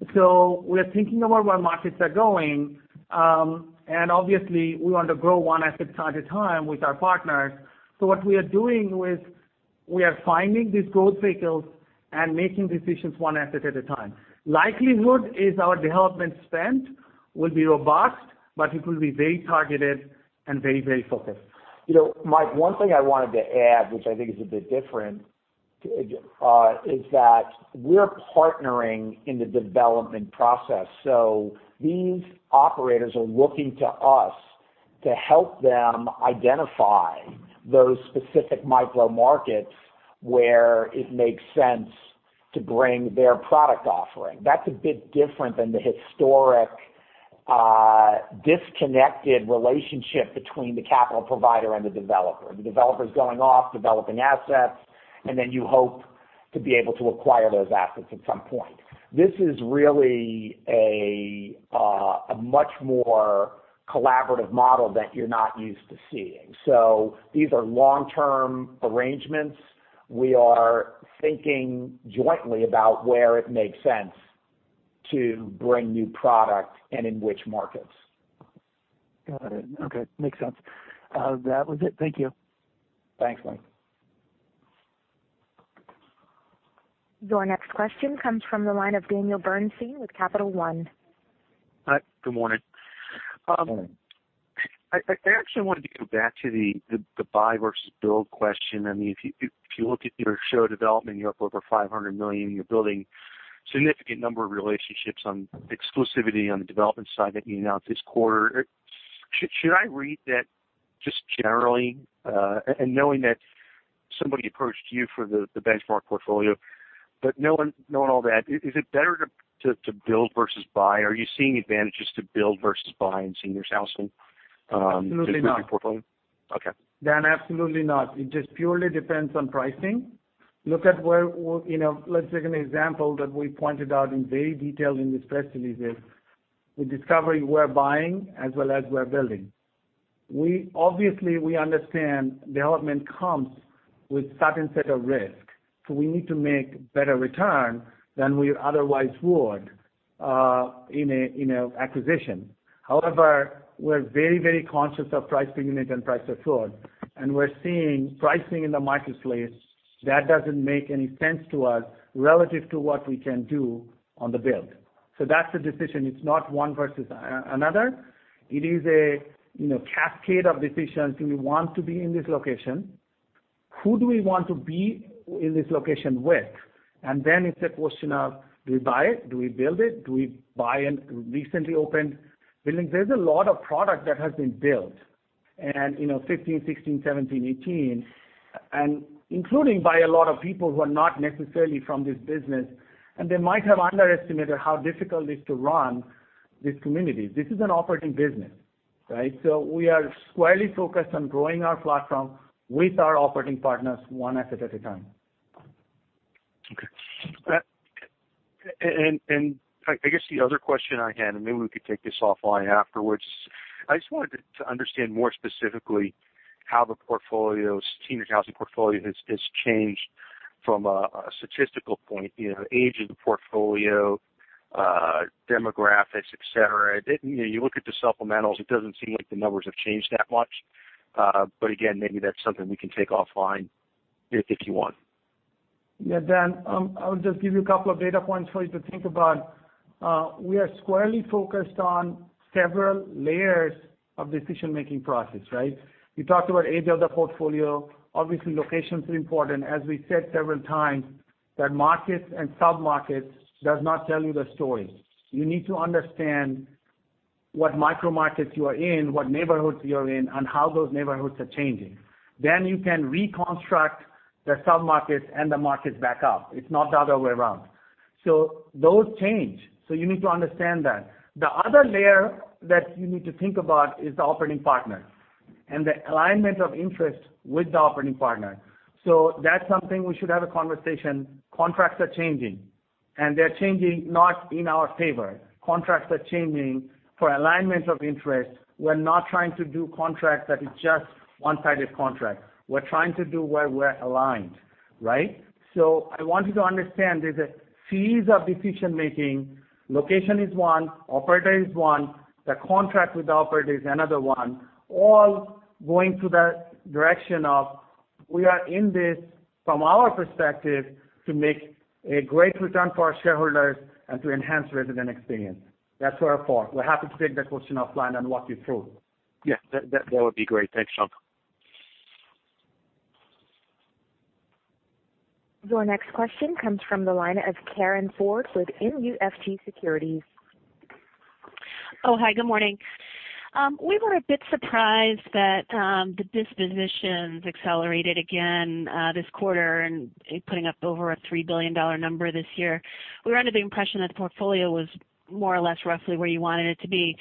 We are thinking about where markets are going. Obviously we want to grow one asset at a time with our partners. What we are doing, we are finding these growth vehicles and making decisions one asset at a time. Likelihood is our development spend will be robust, but it will be very targeted and very focused. Michael, one thing I wanted to add, which I think is a bit different, is that we're partnering in the development process. These operators are looking to us to help them identify those specific micro markets where it makes sense to bring their product offering. That's a bit different than the historic, disconnected relationship between the capital provider and the developer. The developer's going off developing assets, and then you hope to be able to acquire those assets at some point. This is really a much more collaborative model that you're not used to seeing. These are long-term arrangements. We are thinking jointly about where it makes sense to bring new product and in which markets. Got it. Okay. Makes sense. That was it. Thank you. Thanks, Michael. Your next question comes from the line of Daniel Bernstein with Capital One. Hi, good morning? Good morning. I actually wanted to go back to the buy versus build question. If you look at your SHOP development, you're up over $500 million. You're building significant number of relationships on exclusivity on the development side that you announced this quarter. Should I read that just generally, and knowing that somebody approached you for the Benchmark portfolio, but knowing all that, is it better to build versus buy? Are you seeing advantages to build versus buy in Seniors Housing? Absolutely not. Portfolio? Okay. Dan, absolutely not. It just purely depends on pricing. Let's take an example that we pointed out in very detail in this press release is, with Discovery, we're buying as well as we're building. Obviously, we understand development comes with certain set of risk. We need to make better return than we otherwise would in a acquisition. However, we're very conscious of price per unit and price per floor. We're seeing pricing in the marketplace that doesn't make any sense to us relative to what we can do on the build. That's the decision. It's not one versus another. It is a cascade of decisions. Do we want to be in this location? Who do we want to be in this location with? It's a question of, do we buy it? Do we build it? Do we buy a recently opened building? There's a lot of product that has been built in 2015, 2016, 2017, 2018, and including by a lot of people who are not necessarily from this business, and they might have underestimated how difficult it is to run these communities. This is an operating business. We are squarely focused on growing our platform with our operating partners one asset at a time. Okay. I guess the other question I had, and maybe we could take this offline afterwards. I just wanted to understand more specifically how the seniors housing portfolio has changed from a statistical point. Age of the portfolio, demographics, et cetera. You look at the supplementals, it doesn't seem like the numbers have changed that much. Again, maybe that's something we can take offline if you want. Daniel, I'll just give you a couple of data points for you to think about. We are squarely focused on several layers of decision-making process. You talked about age of the portfolio. Obviously, locations are important. As we said several times, that markets and sub-markets does not tell you the story. You need to understand what micro markets you are in, what neighborhoods you're in, and how those neighborhoods are changing. You can reconstruct the sub-markets and the markets back up. It's not the other way around. Those change. You need to understand that. The other layer that you need to think about is the operating partner and the alignment of interest with the operating partner. That's something we should have a conversation. Contracts are changing, and they're changing not in our favor. Contracts are changing for alignment of interest. We're not trying to do contracts that is just one-sided contract. We're trying to do where we're aligned. I want you to understand there's a series of decision-making. Location is one, operator is one, the contract with the operator is another one. All going to the direction of, we are in this from our perspective to make a great return for our shareholders and to enhance resident experience. That's where we're for. We're happy to take that question offline and walk you through. Yeah, that would be great. Thanks, Shankh. Your next question comes from the line of Karin Ford with MUFG Securities. Oh, hi. Good morning? We were a bit surprised that the dispositions accelerated again this quarter and putting up over a $3 billion number this year. We were under the impression that the portfolio was more or less roughly where you wanted it to be.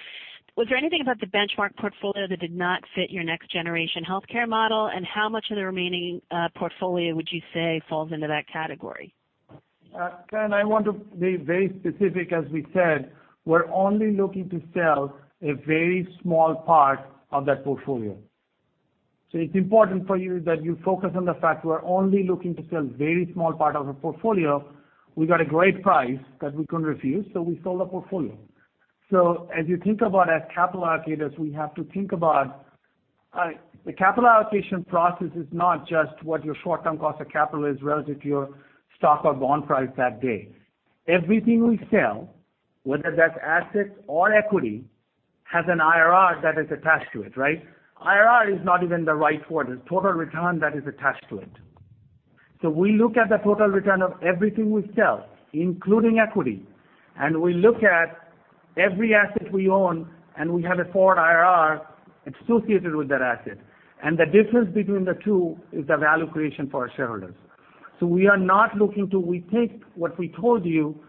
Was there anything about the Benchmark portfolio that did not fit your next generation healthcare model? How much of the remaining portfolio would you say falls into that category? Karin, I want to be very specific. As we said, we're only looking to sell a very small part of that portfolio. It's important for you that you focus on the fact we're only looking to sell a very small part of the portfolio. We got a great price that we couldn't refuse, so we sold the portfolio. As you think about as capital allocators, the capital allocation process is not just what your short-term cost of capital is relative to your stock or bond price that day. Everything we sell, whether that's assets or equity, has an IRR that is attached to it, right? IRR is not even the right word. It's total return that is attached to it. We look at the total return of everything we sell, including equity, and we look at every asset we own, and we have a forward IRR associated with that asset. The difference between the two is the value creation for our shareholders. We take what we told you,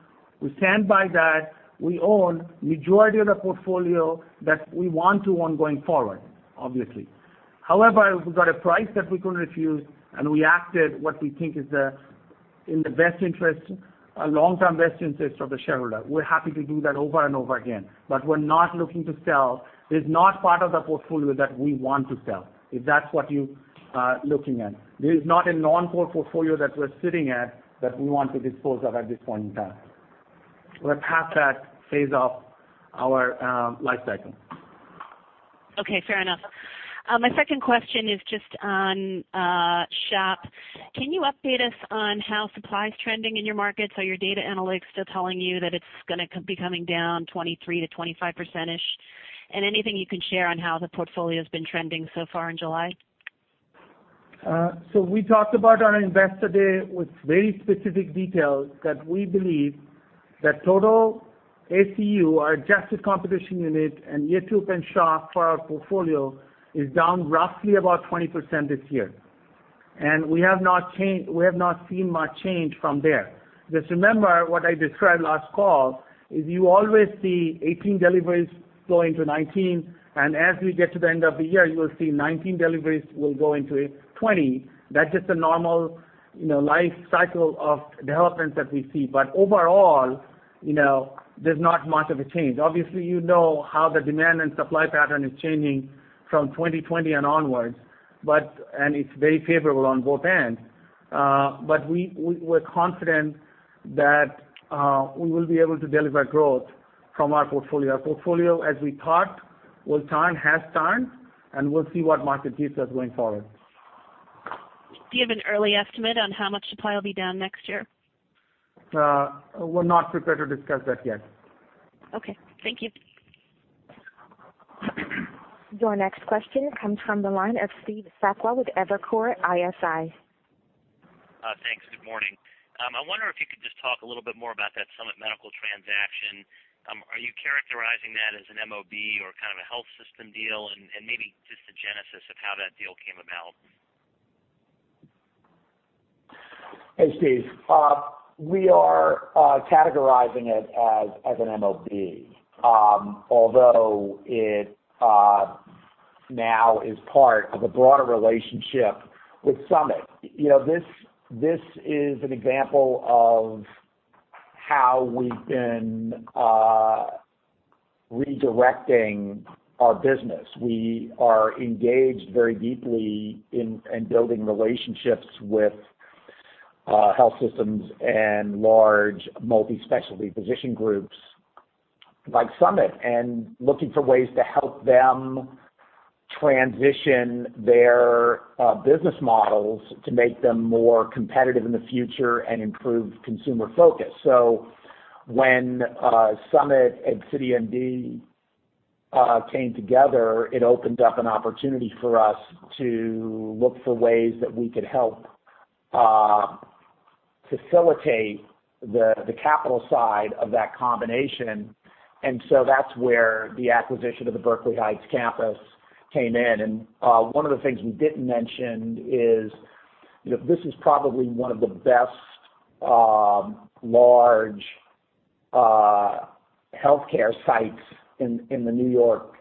we stand by that. We own majority of the portfolio that we want to own going forward, obviously. However, if we got a price that we couldn't refuse and we acted, what we think is in the long-term best interest of the shareholder, we're happy to do that over and over again. We're not looking to sell. It's not part of the portfolio that we want to sell, if that's what you are looking at. There is not a non-core portfolio that we're sitting at that we want to dispose of at this point in time. We're past that phase of our life cycle. Okay, fair enough. My second question is just on SHOP. Can you update us on how supply is trending in your markets? Are your data analytics still telling you that it's going to be coming down 23%-25%-ish? Anything you can share on how the portfolio's been trending so far in July? We talked about on our Investor Day with very specific details that we believe that total ACU, our adjusted competition unit, and year two for SHOP for our portfolio is down roughly about 20% this year. We have not seen much change from there. Just remember what I described last call is you always see 2018 deliveries go into 2019, and as we get to the end of the year, you will see 2019 deliveries will go into 2020. That's just a normal life cycle of developments that we see. Overall, there's not much of a change. Obviously, you know how the demand and supply pattern is changing from 2020 and onwards, and it's very favorable on both ends. We're confident that we will be able to deliver growth from our portfolio. Our portfolio, as we thought will turn, has turned. We'll see what market gives us going forward. Do you have an early estimate on how much supply will be down next year? We're not prepared to discuss that yet. Okay. Thank you. Your next question comes from the line of Steve Sakwa with Evercore ISI. Thanks. Good morning? I wonder if you could just talk a little bit more about that Summit Medical transaction. Are you characterizing that as an MOB or kind of a health system deal? Maybe just the genesis of how that deal came about. Hey, Steve. We are categorizing it as an MOB. Although it now is part of a broader relationship with Summit. This is an example of how we've been redirecting our business. We are engaged very deeply in building relationships with health systems and large multi-specialty physician groups like Summit, looking for ways to help them transition their business models to make them more competitive in the future and improve consumer focus. When Summit and CityMD came together, it opened up an opportunity for us to look for ways that we could help facilitate the capital side of that combination. That's where the acquisition of the Berkeley Heights campus came in. One of the things we didn't mention is this is probably one of the best large healthcare sites in the New York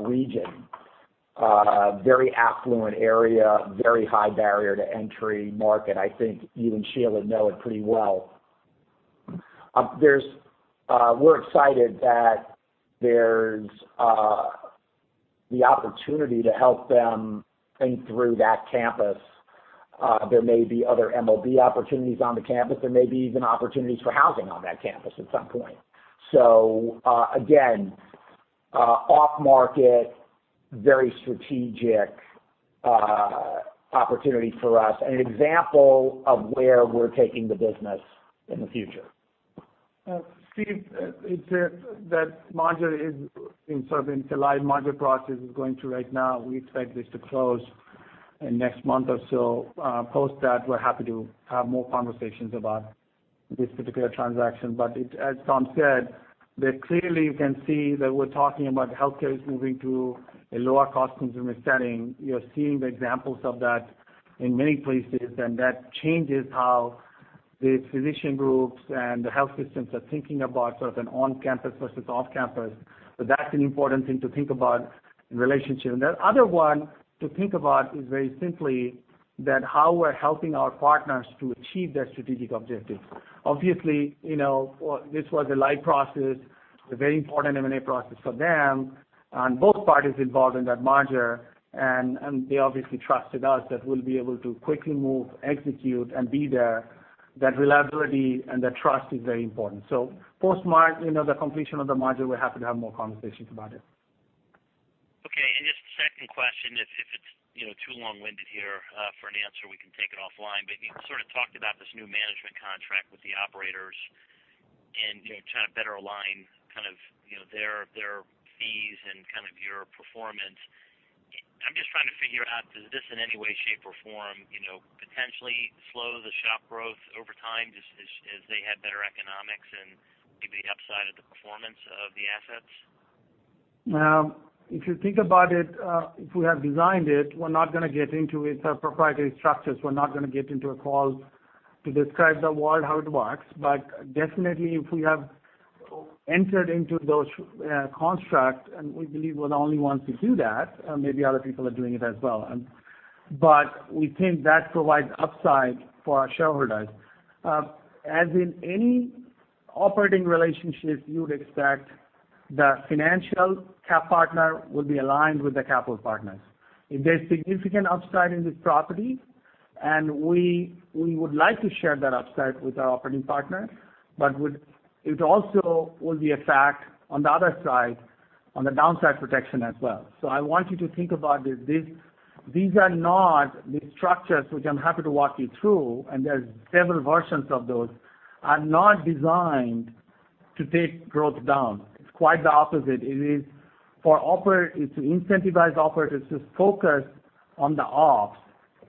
region. Very affluent area, very high barrier to entry market. I think you and Sheila know it pretty well. We're excited that there's the opportunity to help them think through that campus. There may be other MOB opportunities on the campus. There may be even opportunities for housing on that campus at some point. Again, off-market, very strategic opportunity for us, and an example of where we're taking the business in the future. Steve, that merger is sort of in July. Merger process is going through right now. We expect this to close in next month or so. Post that, we're happy to have more conversations about this particular transaction. As Tom said, that clearly you can see that we're talking about healthcare is moving to a lower cost consumer setting. You're seeing the examples of that in many places, and that changes how the physician groups and the health systems are thinking about sort of an on-campus versus off-campus. That's an important thing to think about in relationship. The other one to think about is very simply that how we're helping our partners to achieve their strategic objectives. Obviously, this was a live process, a very important M&A process for them and both parties involved in that merger. They obviously trusted us that we'll be able to quickly move, execute, and be there. That reliability and that trust is very important. Post mark the completion of the merger, we're happy to have more conversations about it. One question. If it's too long-winded here for an answer, we can take it offline. You sort of talked about this new management contract with the operators and trying to better align their fees and your performance. I'm just trying to figure out, does this in any way, shape, or form, potentially slow the SHOP growth over time just as they had better economics and give the upside of the performance of the assets? If you think about it, if we have designed it, we're not going to get into its proprietary structures. We're not going to get into a call to describe the world how it works. Definitely, if we have entered into those contracts, and we believe we're the only ones who do that, maybe other people are doing it as well. We think that provides upside for our shareholders. As in any operating relationship, you would expect the financial cap partner would be aligned with the capital partners. If there's significant upside in this property, and we would like to share that upside with our operating partner, but it also will be a fact on the other side, on the downside protection as well. I want you to think about this. These are not the structures, which I'm happy to walk you through, and there's several versions of those, are not designed to take growth down. It's quite the opposite. It is to incentivize operators to focus on the ops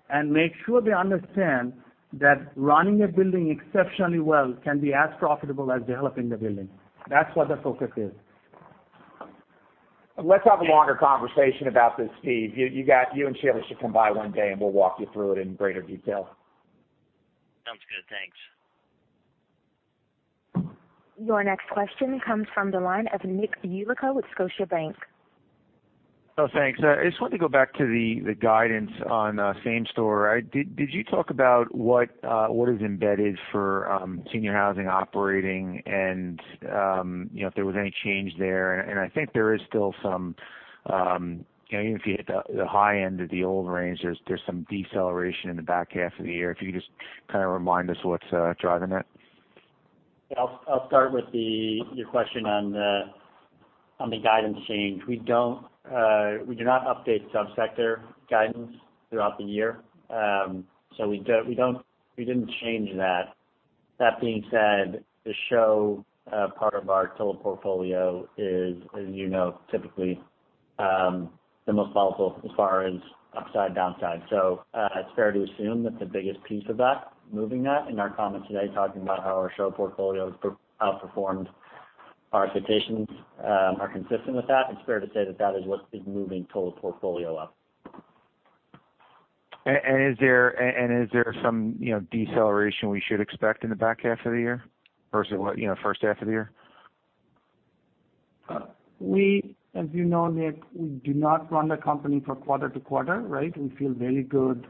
and make sure they understand that running a building exceptionally well can be as profitable as developing the building. That's what the focus is. Let's have a longer conversation about this, Steve. You and Sheila should come by one day, and we'll walk you through it in greater detail. Sounds good. Thanks. Your next question comes from the line of Nick Yulico with Scotiabank. Oh, thanks. I just wanted to go back to the guidance on same store. Did you talk about what is embedded for Seniors Housing operating and if there was any change there? I think there is still some, even if you hit the high end of the old range, there's some deceleration in the back half of the year. If you could just kind of remind us what's driving that? I'll start with your question on the guidance change. We do not update sub-sector guidance throughout the year. We didn't change that. That being said, the SHOP part of our total portfolio is, as you know, typically the most volatile as far as upside downside. It's fair to assume that the biggest piece of that, moving that in our comments today, talking about how our SHOP portfolio has outperformed our expectations are consistent with that. It's fair to say that that is what is moving total portfolio up. Is there some deceleration we should expect in the back half of the year versus first half of the year? We, as you know, Nick, we do not run the company for quarter-to-quarter, right? We feel very good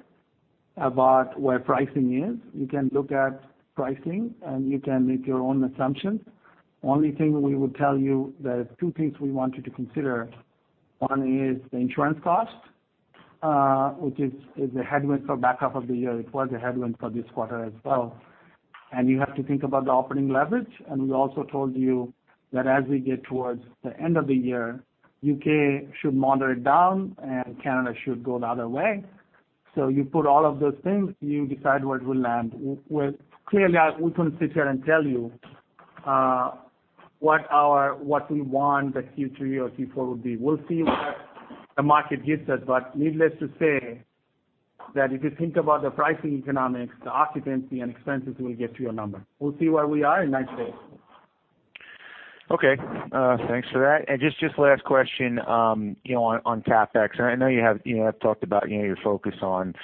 about where pricing is. You can look at pricing, and you can make your own assumptions. Only thing we would tell you, there are two things we want you to consider. One is the insurance cost, which is a headwind for back half of the year. It was a headwind for this quarter as well. You have to think about the operating leverage. We also told you that as we get towards the end of the year, U.K. should moderate down and Canada should go the other way. You put all of those things, you decide where it will land. Clearly, we couldn't sit here and tell you what we want the Q3 or Q4 will be. We'll see what the market gives us. Needless to say that if you think about the pricing economics, the occupancy, and expenses will get to your number. We'll see where we are in 90 days. Okay. Thanks for that. Just last question, on CapEx. I know you have talked about your focus on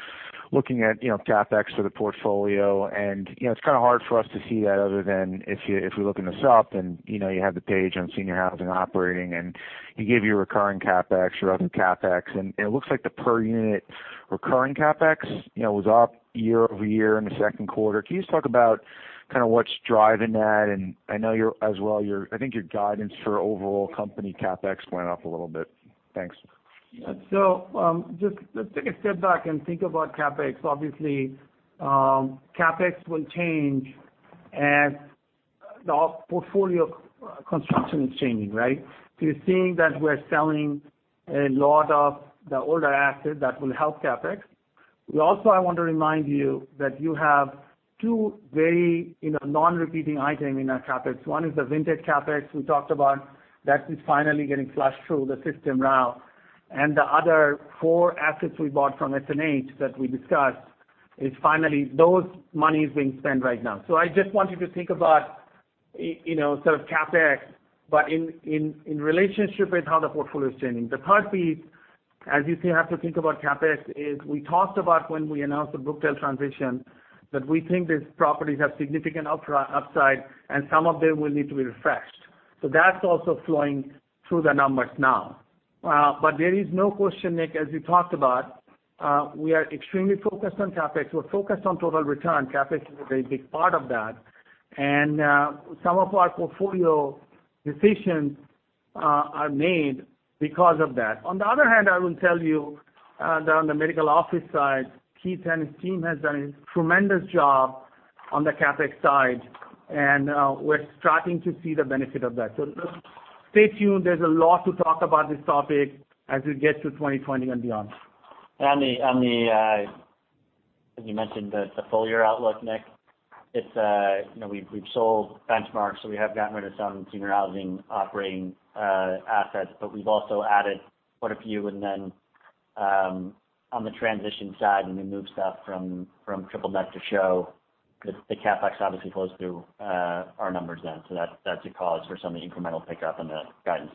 looking at CapEx for the portfolio, and it's kind of hard for us to see that other than if we look in the SHOP and you have the page on senior housing operating, and you give your recurring CapEx, your other CapEx, and it looks like the per unit recurring CapEx was up year-over-year in the second quarter. Can you just talk about kind of what's driving that? I know as well, I think your guidance for overall company CapEx went up a little bit. Thanks. Just let's take a step back and think about CapEx. Obviously, CapEx will change as our portfolio construction is changing, right? You're seeing that we're selling a lot of the older assets that will help CapEx. We also, I want to remind you that you have two very non-repeating item in our CapEx. One is the vintage CapEx we talked about. That is finally getting flushed through the system now. The other four assets we bought from SNH that we discussed is finally, those money is being spent right now. I just want you to think about sort of CapEx, but in relationship with how the portfolio is changing. The third piece, as you have to think about CapEx, is we talked about when we announced the Brookdale transition, that we think these properties have significant upside, and some of them will need to be refreshed. That's also flowing through the numbers now. There is no question, Nick, as we talked about, we are extremely focused on CapEx. We're focused on total return. CapEx is a very big part of that. Some of our portfolio decisions are made because of that. On the other hand, I will tell you that on the medical office side, Keith and his team has done a tremendous job on the CapEx side. We're starting to see the benefit of that. Stay tuned. There's a lot to talk about this topic as we get to 2020 and beyond. As you mentioned, the full year outlook, Nick, we've sold Benchmark, so we have gotten rid of some senior housing operating assets, but we've also added quite a few. Then on the transition side, when we move stuff from triple net to SHOP, the CapEx obviously flows through our numbers then. That's a cause for some of the incremental pickup in the guidance.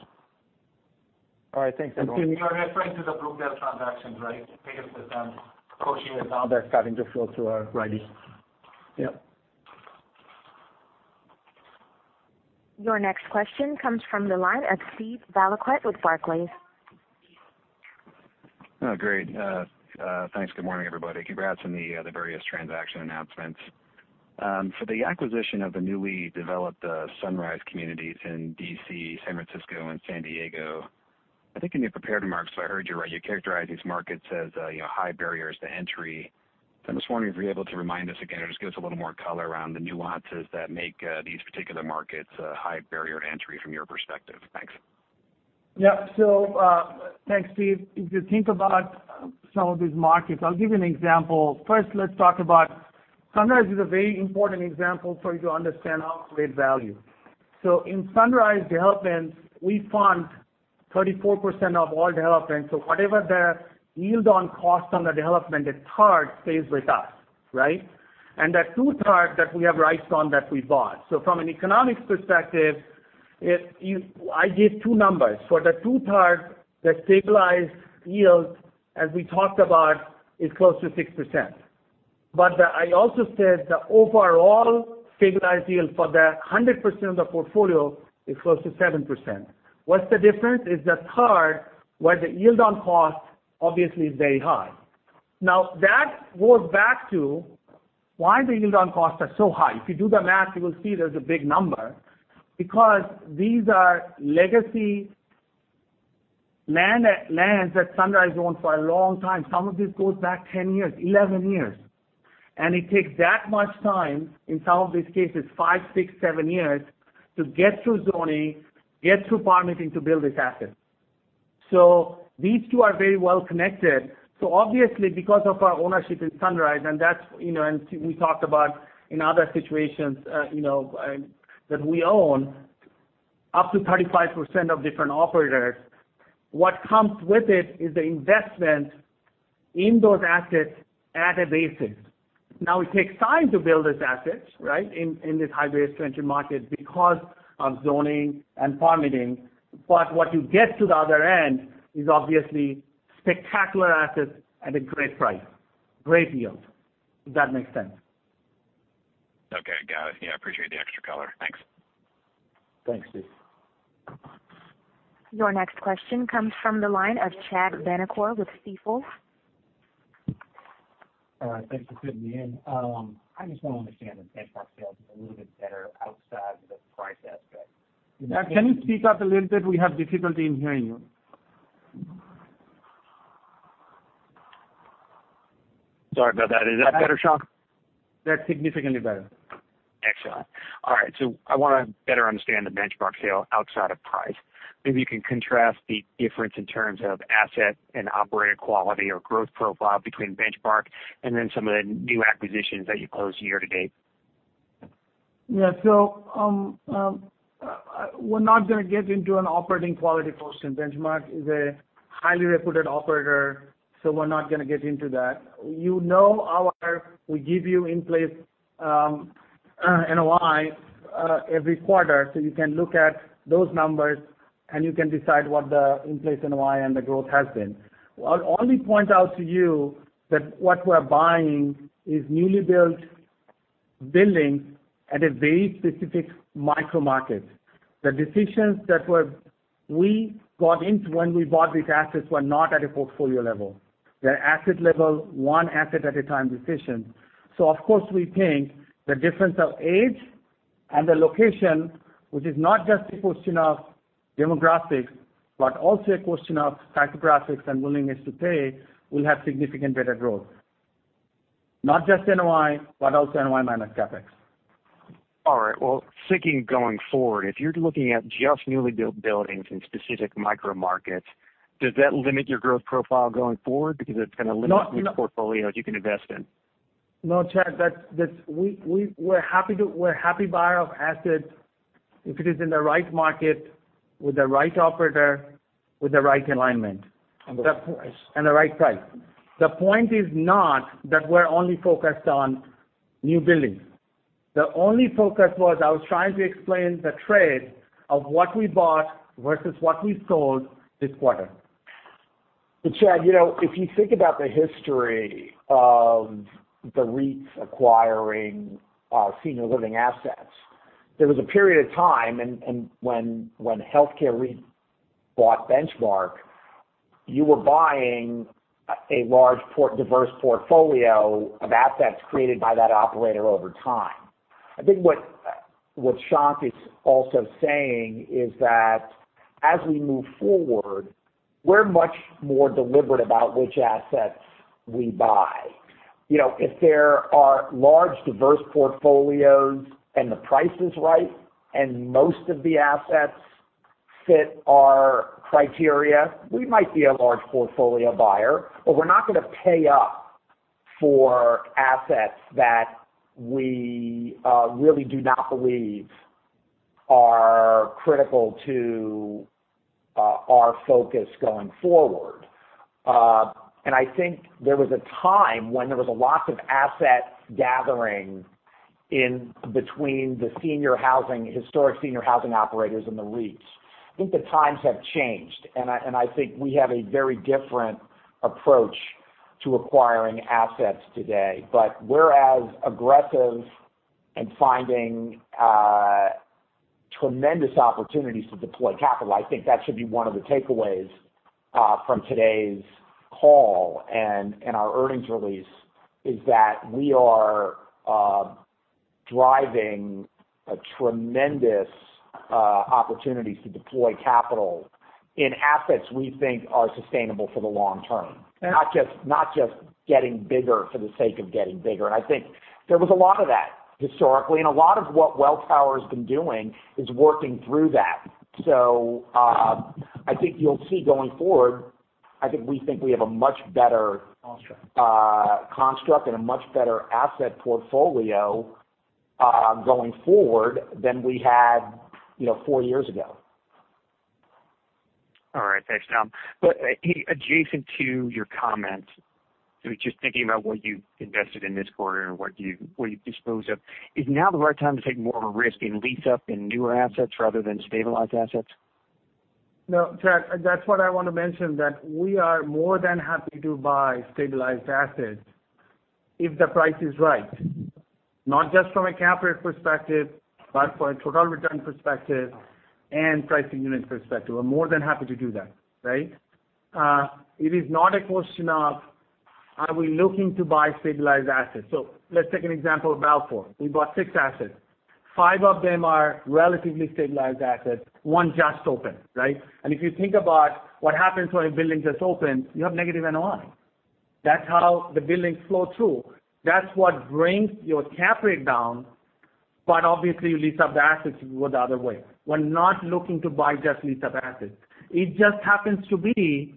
All right. Thanks everyone. Nick, you are referring to the Brookdale transactions, right? [inaudible] Yeah. Your next question comes from the line of Steve Valiquette with Barclays. Great. Thanks. Good morning everybody? Congrats on the various transaction announcements. For the acquisition of the newly developed Sunrise communities in D.C., San Francisco, and San Diego, I think in your prepared remarks, I heard you characterize these markets as high barriers to entry. I'm just wondering if you're able to remind us again, or just give us a little more color around the nuances that make these particular markets a high barrier to entry from your perspective. Thanks. Yeah. Thanks, Steve. If you think about some of these markets, I'll give you an example. First, let's talk about Sunrise is a very important example for you to understand our create value. In Sunrise developments, we fund 34% of all developments. Whatever their yield on cost on the development, that part stays with us, right? There are two parts that we have rights on that we bought. From an economics perspective, I give two numbers. For the two parts, the stabilized yield, as we talked about, is close to 6%. I also said the overall stabilized yield for the 100% of the portfolio is close to 7%. What's the difference? Is the third, where the yield on cost obviously is very high. That goes back to why the yield on costs are so high. If you do the math, you will see there's a big number. These are legacy lands that Sunrise owned for a long time. Some of this goes back 10 years, 11 years. It takes that much time, in some of these cases, five years, six years, seven years to get through zoning, get through permitting to build this asset. These two are very well connected. Obviously because of our ownership in Sunrise and we talked about in other situations that we own up to 35% of different operators, what comes with it is the investment in those assets at a basic. Now it takes time to build this asset, right, in this high base entry market because of zoning and permitting. What you get to the other end is obviously spectacular assets at a great price. Great yield, if that makes sense. Okay, got it. Appreciate the extra color. Thanks. Thanks, Steve. Your next question comes from the line of Chad Vanacore with Stifel. All right. Thanks for fitting me in. I just want to understand the Benchmark sales a little bit better outside of the price aspect. Can you speak up a little bit? We have difficulty in hearing you. Sorry about that. Is that better, Shankh? That's significantly better. Excellent. All right. I want to better understand the Benchmark sale outside of price. Maybe you can contrast the difference in terms of asset and operator quality or growth profile between Benchmark and then some of the new acquisitions that you closed year to date. Yeah. We're not going to get into an operating quality question. Benchmark is a highly reputed operator. We're not going to get into that. You know. We give you in place NOI every quarter. You can look at those numbers, and you can decide what the in place NOI and the growth has been. I'll only point out to you that what we're buying is newly built buildings at a very specific micro-market. The decisions that we got into when we bought these assets were not at a portfolio level. They're asset level, one asset at a time decision. Of course, we think the difference of age and the location, which is not just a question of demographics, but also a question of psychographics and willingness to pay, will have significant better growth. Not just NOI, but also NOI minus CapEx. All right. Well, thinking going forward, if you're looking at just newly built buildings in specific micro markets, does that limit your growth profile going forward because it's going to limit-? No. Which portfolios you can invest in? No, Chad. We're a happy buyer of assets if it is in the right market, with the right operator, with the right alignment. The right price. The right price. The point is not that we're only focused on new buildings. The only focus was I was trying to explain the trade of what we bought versus what we sold this quarter. Chad, if you think about the history of the REITs acquiring senior living assets, there was a period of time and when Health Care REIT bought Benchmark Senior Living, you were buying a large diverse portfolio of assets created by that operator over time. I think what Shankh is also saying is that as we move forward, we're much more deliberate about which assets we buy. If there are large diverse portfolios and the price is right, and most of the assets fit our criteria, we might be a large portfolio buyer, but we're not going to pay up for assets that we really do not believe are critical to our focus going forward. I think there was a time when there was a lot of asset gathering in between the historic senior housing operators and the REITs. I think the times have changed, and I think we have a very different approach to acquiring assets today. We're as aggressive in finding tremendous opportunities to deploy capital. I think that should be one of the takeaways from today's call and our earnings release, is that we are driving tremendous opportunities to deploy capital in assets we think are sustainable for the long term. Not just getting bigger for the sake of getting bigger. I think there was a lot of that historically, and a lot of what Welltower's been doing is working through that. I think you'll see going forward, I think we have a much better construct and a much better asset portfolio, going forward than we had four years ago. All right. Thanks, Tom. Adjacent to your comment, just thinking about what you invested in this quarter and what you disposed of, is now the right time to take more of a risk in lease up in newer assets rather than stabilized assets? No, Chad, that's what I want to mention, that we are more than happy to buy stabilized assets if the price is right, not just from a cap rate perspective, but for a total return perspective and pricing unit perspective. We're more than happy to do that. Right? It is not a question of are we looking to buy stabilized assets. Let's take an example of Balfour. We bought six assets. Five of them are relatively stabilized assets. One just opened. Right? If you think about what happens when a building just opens, you have negative NOI. That's how the buildings flow through. That's what brings your cap rate down, obviously you lease up the assets, you go the other way. We're not looking to buy just lease-up assets. It just happens to be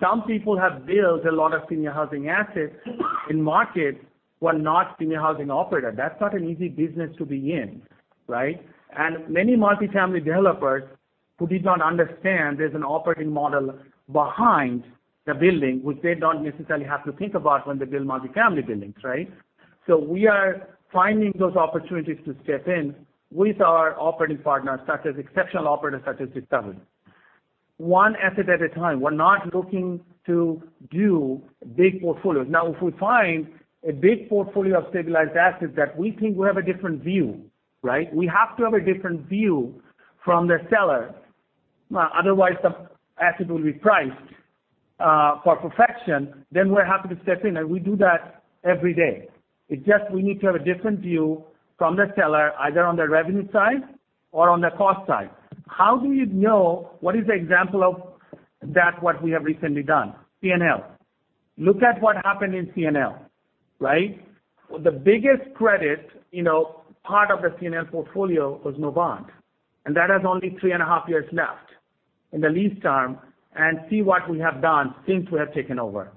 some people have built a lot of senior housing assets in markets who are not senior housing operator. That's not an easy business to be in. Right? Many multi-family developers who did not understand there's an operating model behind the building, which they don't necessarily have to think about when they build multi-family buildings. Right? We are finding those opportunities to step in with our operating partners such as exceptional operators such as Discovery. One asset at a time. We're not looking to do big portfolios. Now, if we find a big portfolio of stabilized assets that we think we have a different view, right? We have to have a different view from the seller. Otherwise, the asset will be priced for perfection, then we're happy to step in, and we do that every day. It's just we need to have a different view from the seller, either on the revenue side or on the cost side. How do you know what is the example of that what we have recently done? CNL. Look at what happened in CNL, right? The biggest credit part of the CNL portfolio was Novant, and that has only three and a half years left in the lease term, and see what we have done since we have taken over.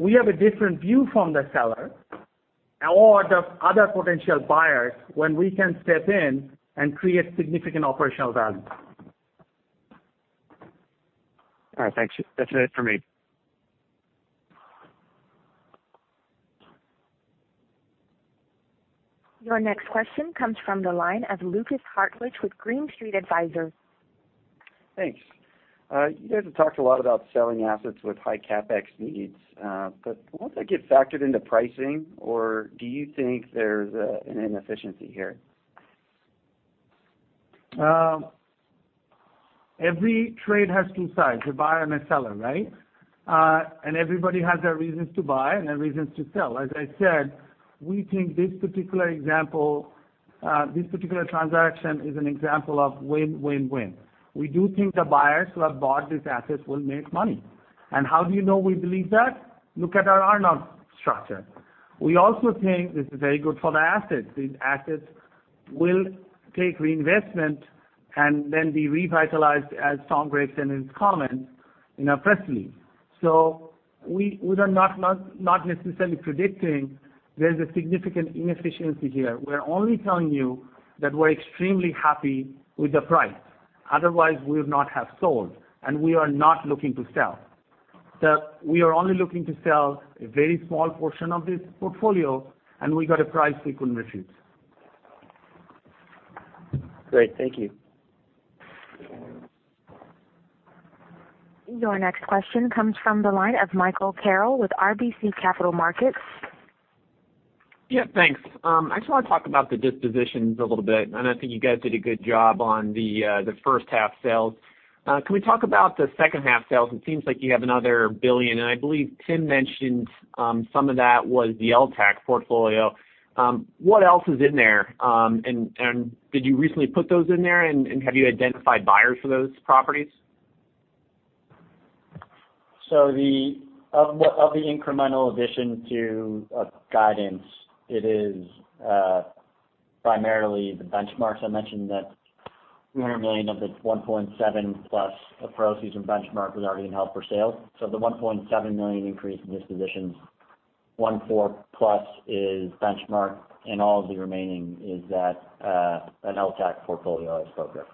We have a different view from the seller or the other potential buyers when we can step in and create significant operational value. All right. Thanks. That's it for me. Your next question comes from the line of Lukas Hartwich with Green Street Advisors. Thanks. You guys have talked a lot about selling assets with high CapEx needs. Won't that get factored into pricing, or do you think there's an inefficiency here? Every trade has two sides, a buyer and a seller, right? Everybody has their reasons to buy and their reasons to sell. As I said, we think this particular transaction is an example of win-win-win. We do think the buyers who have bought these assets will make money. How do you know we believe that? Look at our earn out structure. We also think this is very good for the assets. These assets will take reinvestment and then be revitalized as Tom DeRosa has commented in our press release. We are not necessarily predicting there's a significant inefficiency here. We're only telling you that we're extremely happy with the price. Otherwise, we would not have sold, and we are not looking to sell. We are only looking to sell a very small portion of this portfolio, and we got a price we couldn't refuse. Great. Thank you. Your next question comes from the line of Michael Carroll with RBC Capital Markets. Yeah, thanks. I just want to talk about the dispositions a little bit. I think you guys did a good job on the first half sales. Can we talk about the second half sales? It seems like you have another $1 billion. I believe Tim mentioned some of that was the LTAC portfolio. What else is in there? Did you recently put those in there, and have you identified buyers for those properties? Of the incremental addition to guidance, it is primarily the benchmarks. I mentioned that $200 million of the $1.7 billion-plus pro forma benchmark was already in held-for-sale. The [$1.7 billion] increase in dispositions, [$1.4 billion-plus] is benchmark, and all of the remaining is that an held-for-sale portfolio as focused.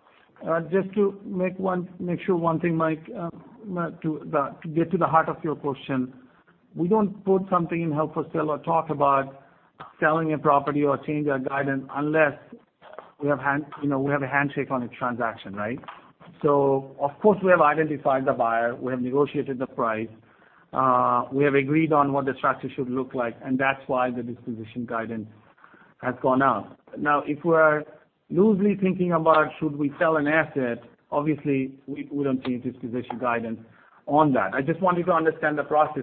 Just to make sure one thing, Michael, to get to the heart of your question. We don't put something in held-for-sale or talk about selling a property or change our guidance unless we have a handshake on a transaction. Of course, we have identified the buyer, we have negotiated the price, we have agreed on what the structure should look like, and that's why the disposition guidance has gone up. If we are loosely thinking about should we sell an asset, obviously, we wouldn't change disposition guidance on that. I just want you to understand the process.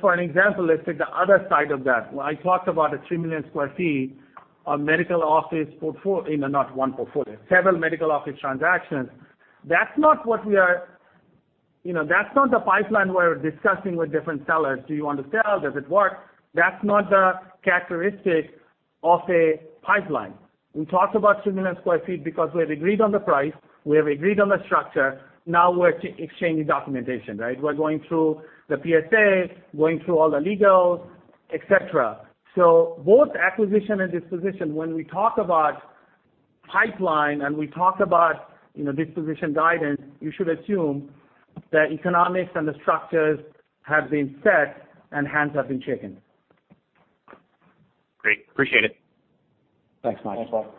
For an example, let's take the other side of that. I talked about a 3 million square feet on medical office portfolio. Not one portfolio, several medical office transactions. That's not the pipeline we're discussing with different sellers. Do you want to sell? Does it work? That's not the characteristic of a pipeline. We talked about 3 million square feet because we have agreed on the price, we have agreed on the structure. Now we're exchanging documentation. We're going through the PSA, going through all the legal, et cetera. Both acquisition and disposition, when we talk about pipeline and we talk about disposition guidance, you should assume that economics and the structures have been set and hands have been shaken. Great. Appreciate it. Thanks, Michael. Thanks, all.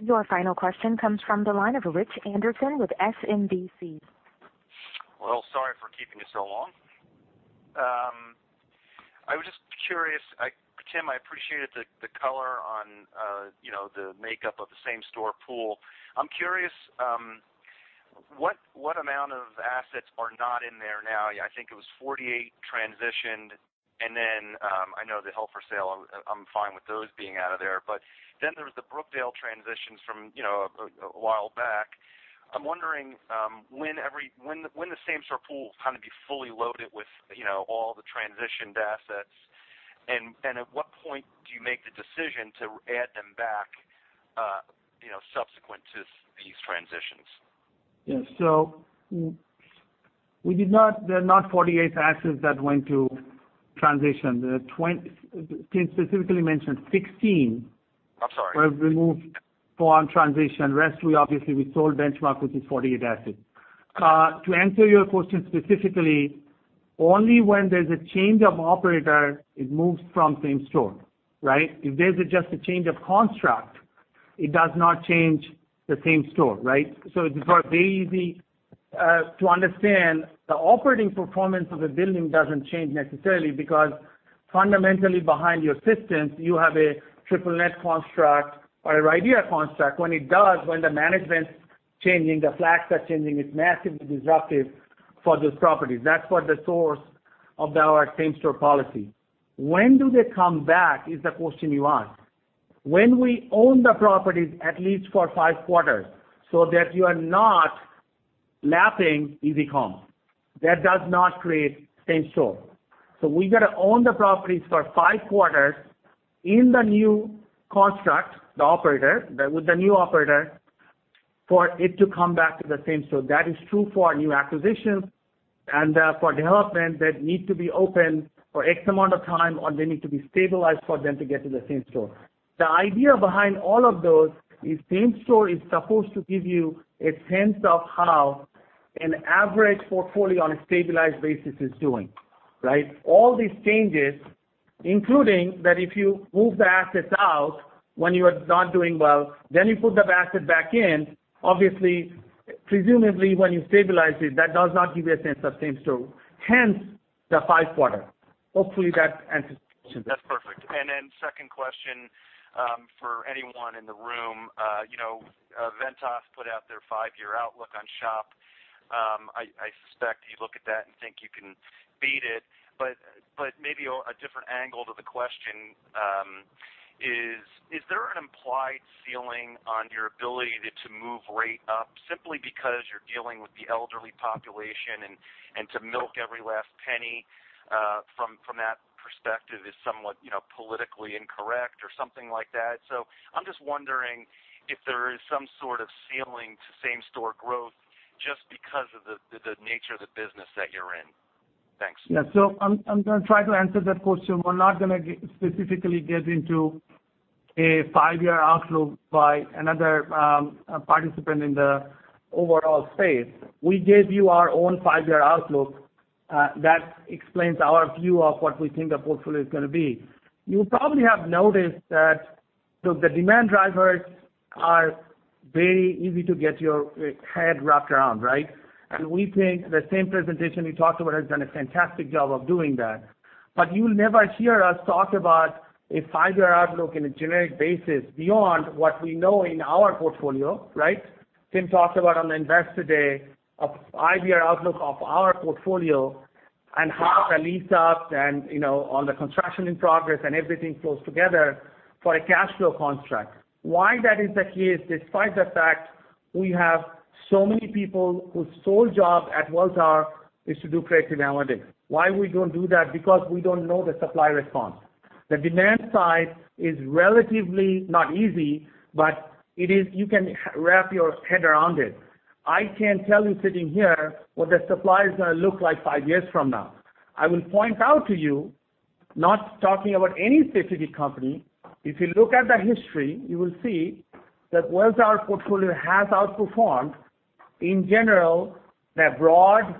Your final question comes from the line of Rich Anderson with SMBC. Well, sorry for keeping you so long. I was just curious. Tim, I appreciated the color on the makeup of the same-store pool. I'm curious, what amount of assets are not in there now? I think it was 48 transitioned, and then I know the held-for-sale, I'm fine with those being out of there. There's the Brookdale transitions from a while back. I'm wondering when the same-store pool will be fully loaded with all the transitioned assets. At what point do you make the decision to add them back subsequent to these transitions? Yeah. There are not 48 assets that went to transition. Tim specifically mentioned 16. I'm sorry. Were removed for on transition. Rest, we obviously sold Benchmark, which is 48 assets. To answer your question specifically, only when there's a change of operator, it moves from same-store. If there's just a change of construct, it does not change the same-store. It is very easy to understand the operating performance of a building doesn't change necessarily because fundamentally behind your systems, you have a triple net construct or RIDEA construct. When it does, when the management's changing, the flags are changing, it's massively disruptive for those properties. That's what the source of our same-store policy. When do they come back is the question you ask. When we own the properties, at least for five quarters, so that you are not lapping easy comp. That does not create same-store. We got to own the properties for five quarters in the new construct, the operator, with the new operator, for it to come back to the same store. That is true for our new acquisitions and for development that need to be open for X amount of time, or they need to be stabilized for them to get to the same store. The idea behind all of those is same store is supposed to give you a sense of how an average portfolio on a stabilized basis is doing. All these changes, including that if you move the assets out when you are not doing well, then you put the asset back in. Obviously, presumably, when you stabilize it, that does not give you a sense of same store, hence the five quarter. Hopefully that answers the question. That's perfect. Second question for anyone in the room. Ventas put out their five-year outlook on SHOP. I suspect you look at that and think you can beat it. Maybe a different angle to the question, is there an implied ceiling on your ability to move rate up simply because you're dealing with the elderly population and to milk every last penny from that perspective is somewhat politically incorrect or something like that? I'm just wondering if there is some sort of ceiling to same-store growth just because of the nature of the business that you're in. Thanks. Yeah. I'm going to try to answer that question. We're not going to specifically get into a five-year outlook by another participant in the overall space. We gave you our own five-year outlook. That explains our view of what we think the portfolio is going to be. You probably have noticed that the demand drivers are very easy to get your head wrapped around. We think the same presentation we talked about has done a fantastic job of doing that. You will never hear us talk about a five-year outlook in a generic basis beyond what we know in our portfolio. Tim talked about on Investor Day a five-year outlook of our portfolio and half the lease up and on the construction in progress and everything flows together for a cash flow construct. Why that is the case, despite the fact we have so many people whose sole job at Welltower is to do creative analytics. Why we don't do that? We don't know the supply response. The demand side is relatively not easy, but you can wrap your head around it. I can't tell you sitting here what the supply is going to look like five years from now. I will point out to you, not talking about any specific company, if you look at the history, you will see that Welltower portfolio has outperformed, in general, the broad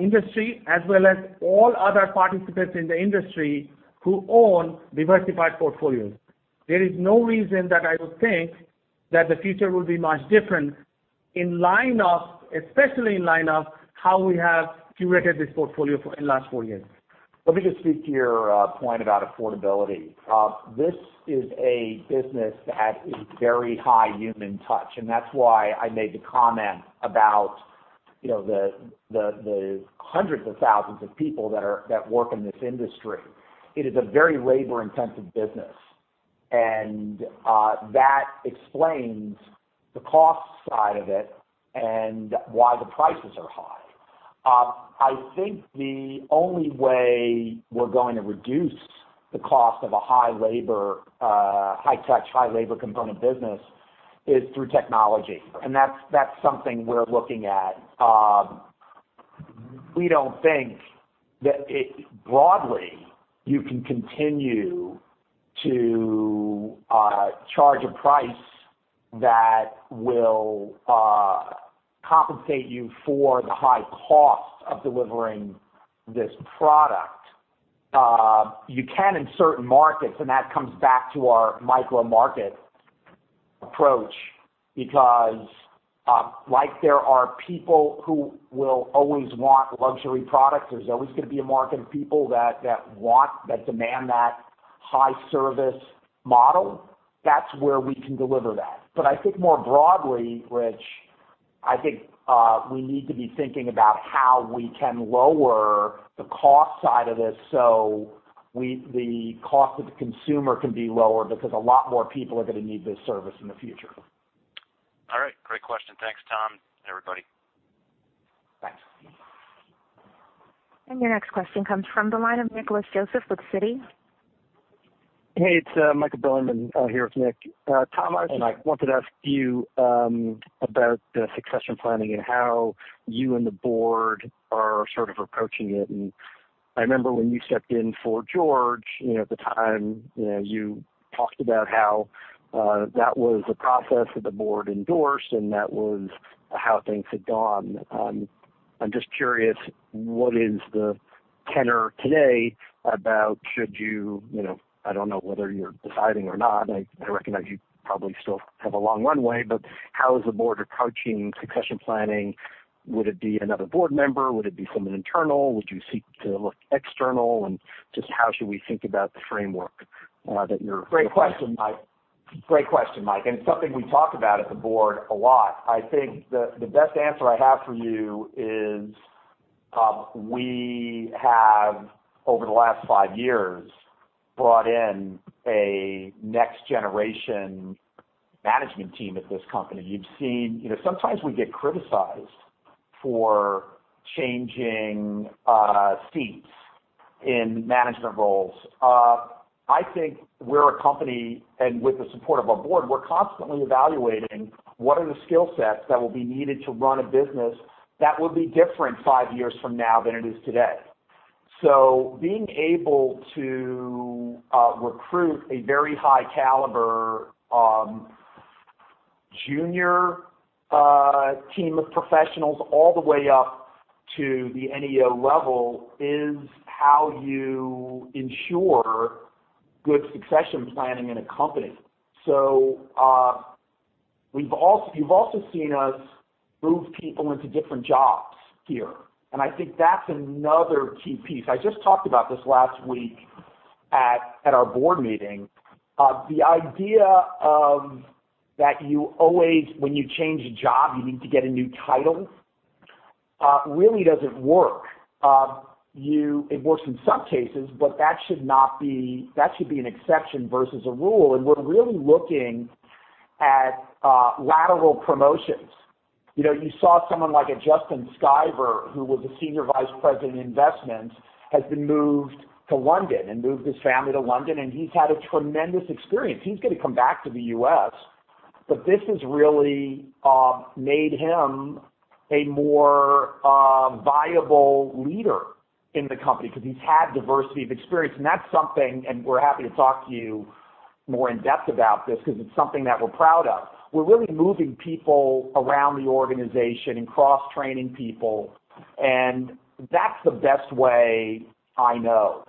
industry, as well as all other participants in the industry who own diversified portfolios. There is no reason that I would think that the future will be much different, especially in line of how we have curated this portfolio in last four years. Let me just speak to your point about affordability. This is a business that is very high human touch, and that's why I made the comment about the hundreds of thousands of people that work in this industry. It is a very labor-intensive business, and that explains the cost side of it and why the prices are high. I think the only way we're going to reduce the cost of a high touch, high labor component business is through technology, and that's something we're looking at. We don't think that broadly you can continue to charge a price that will compensate you for the high cost of delivering this product. You can in certain markets, and that comes back to our micro-market approach, because like there are people who will always want luxury products, there's always going to be a market of people that demand that high service model. That's where we can deliver that. I think more broadly, Rich, I think we need to be thinking about how we can lower the cost side of this, so the cost of the consumer can be lower because a lot more people are going to need this service in the future. All right. Great question. Thanks, Tom, everybody. Thanks. Your next question comes from the line of Nicholas Joseph with Citi. Hey, it's Michael Bilerman. Here with Nicholas. Tom, I wanted to ask you about the succession planning and how you and the board are sort of approaching it. I remember when you stepped in for George, at the time, you talked about how that was a process that the board endorsed, and that was how things had gone. I'm just curious, what is the tenor today about I don't know whether you're deciding or not. I recognize you probably still have a long runway, how is the board approaching succession planning? Would it be another board member? Would it be someone internal? Would you seek to look external? Just how should we think about the framework that you're. Great question, Michael. It's something we talk about at the board a lot. I think the best answer I have for you is we have, over the last five years, brought in a next generation management team at this company. Sometimes we get criticized for changing seats in management roles. I think we're a company, and with the support of our board, we're constantly evaluating what are the skill sets that will be needed to run a business that will be different five years from now than it is today. Being able to recruit a very high caliber junior team of professionals all the way up to the NEO level is how you ensure good succession planning in a company. You've also seen us move people into different jobs here, and I think that's another key piece. I just talked about this last week at our board meeting. The idea of that when you change a job, you need to get a new title really doesn't work. It works in some cases, but that should be an exception versus a rule, and we're really looking at lateral promotions. You saw someone like a Justin Skiver, who was a Senior Vice President in Investment, has been moved to London and moved his family to London, and he's had a tremendous experience. He's going to come back to the U.S., but this has really made him a more viable leader in the company because he's had diversity of experience. That's something, and we're happy to talk to you more in depth about this because it's something that we're proud of. We're really moving people around the organization and cross-training people, and that's the best way I know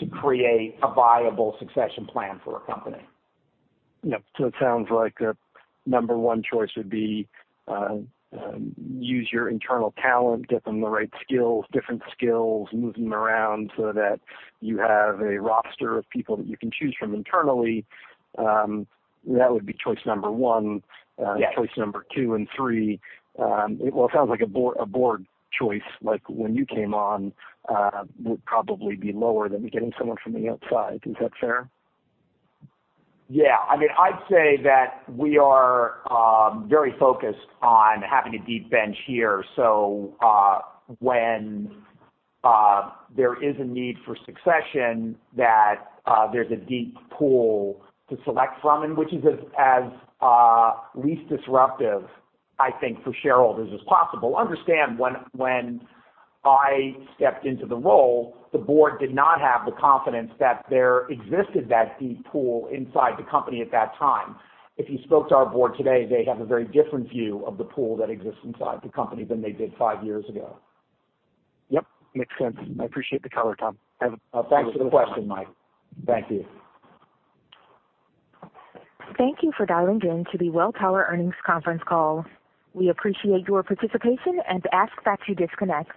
to create a viable succession plan for a company. Yep. It sounds like a number one choice would be use your internal talent, get them the right skills, different skills, move them around so that you have a roster of people that you can choose from internally. That would be choice number one. Yes. Choice number two and three, well, it sounds like a board choice, like when you came on, would probably be lower than getting someone from the outside. Is that fair? Yeah. I'd say that we are very focused on having a deep bench here. When there is a need for succession, that there's a deep pool to select from, and which is as least disruptive, I think, for shareholders as possible. Understand, when I stepped into the role, the Board did not have the confidence that there existed that deep pool inside the company at that time. If you spoke to our Board today, they have a very different view of the pool that exists inside the company than they did five years ago. Yep. Makes sense. I appreciate the color, Tom. Thanks for the question, Michael. Thank you. Thank you for dialing in to the Welltower earnings conference call. We appreciate your participation and ask that you disconnect.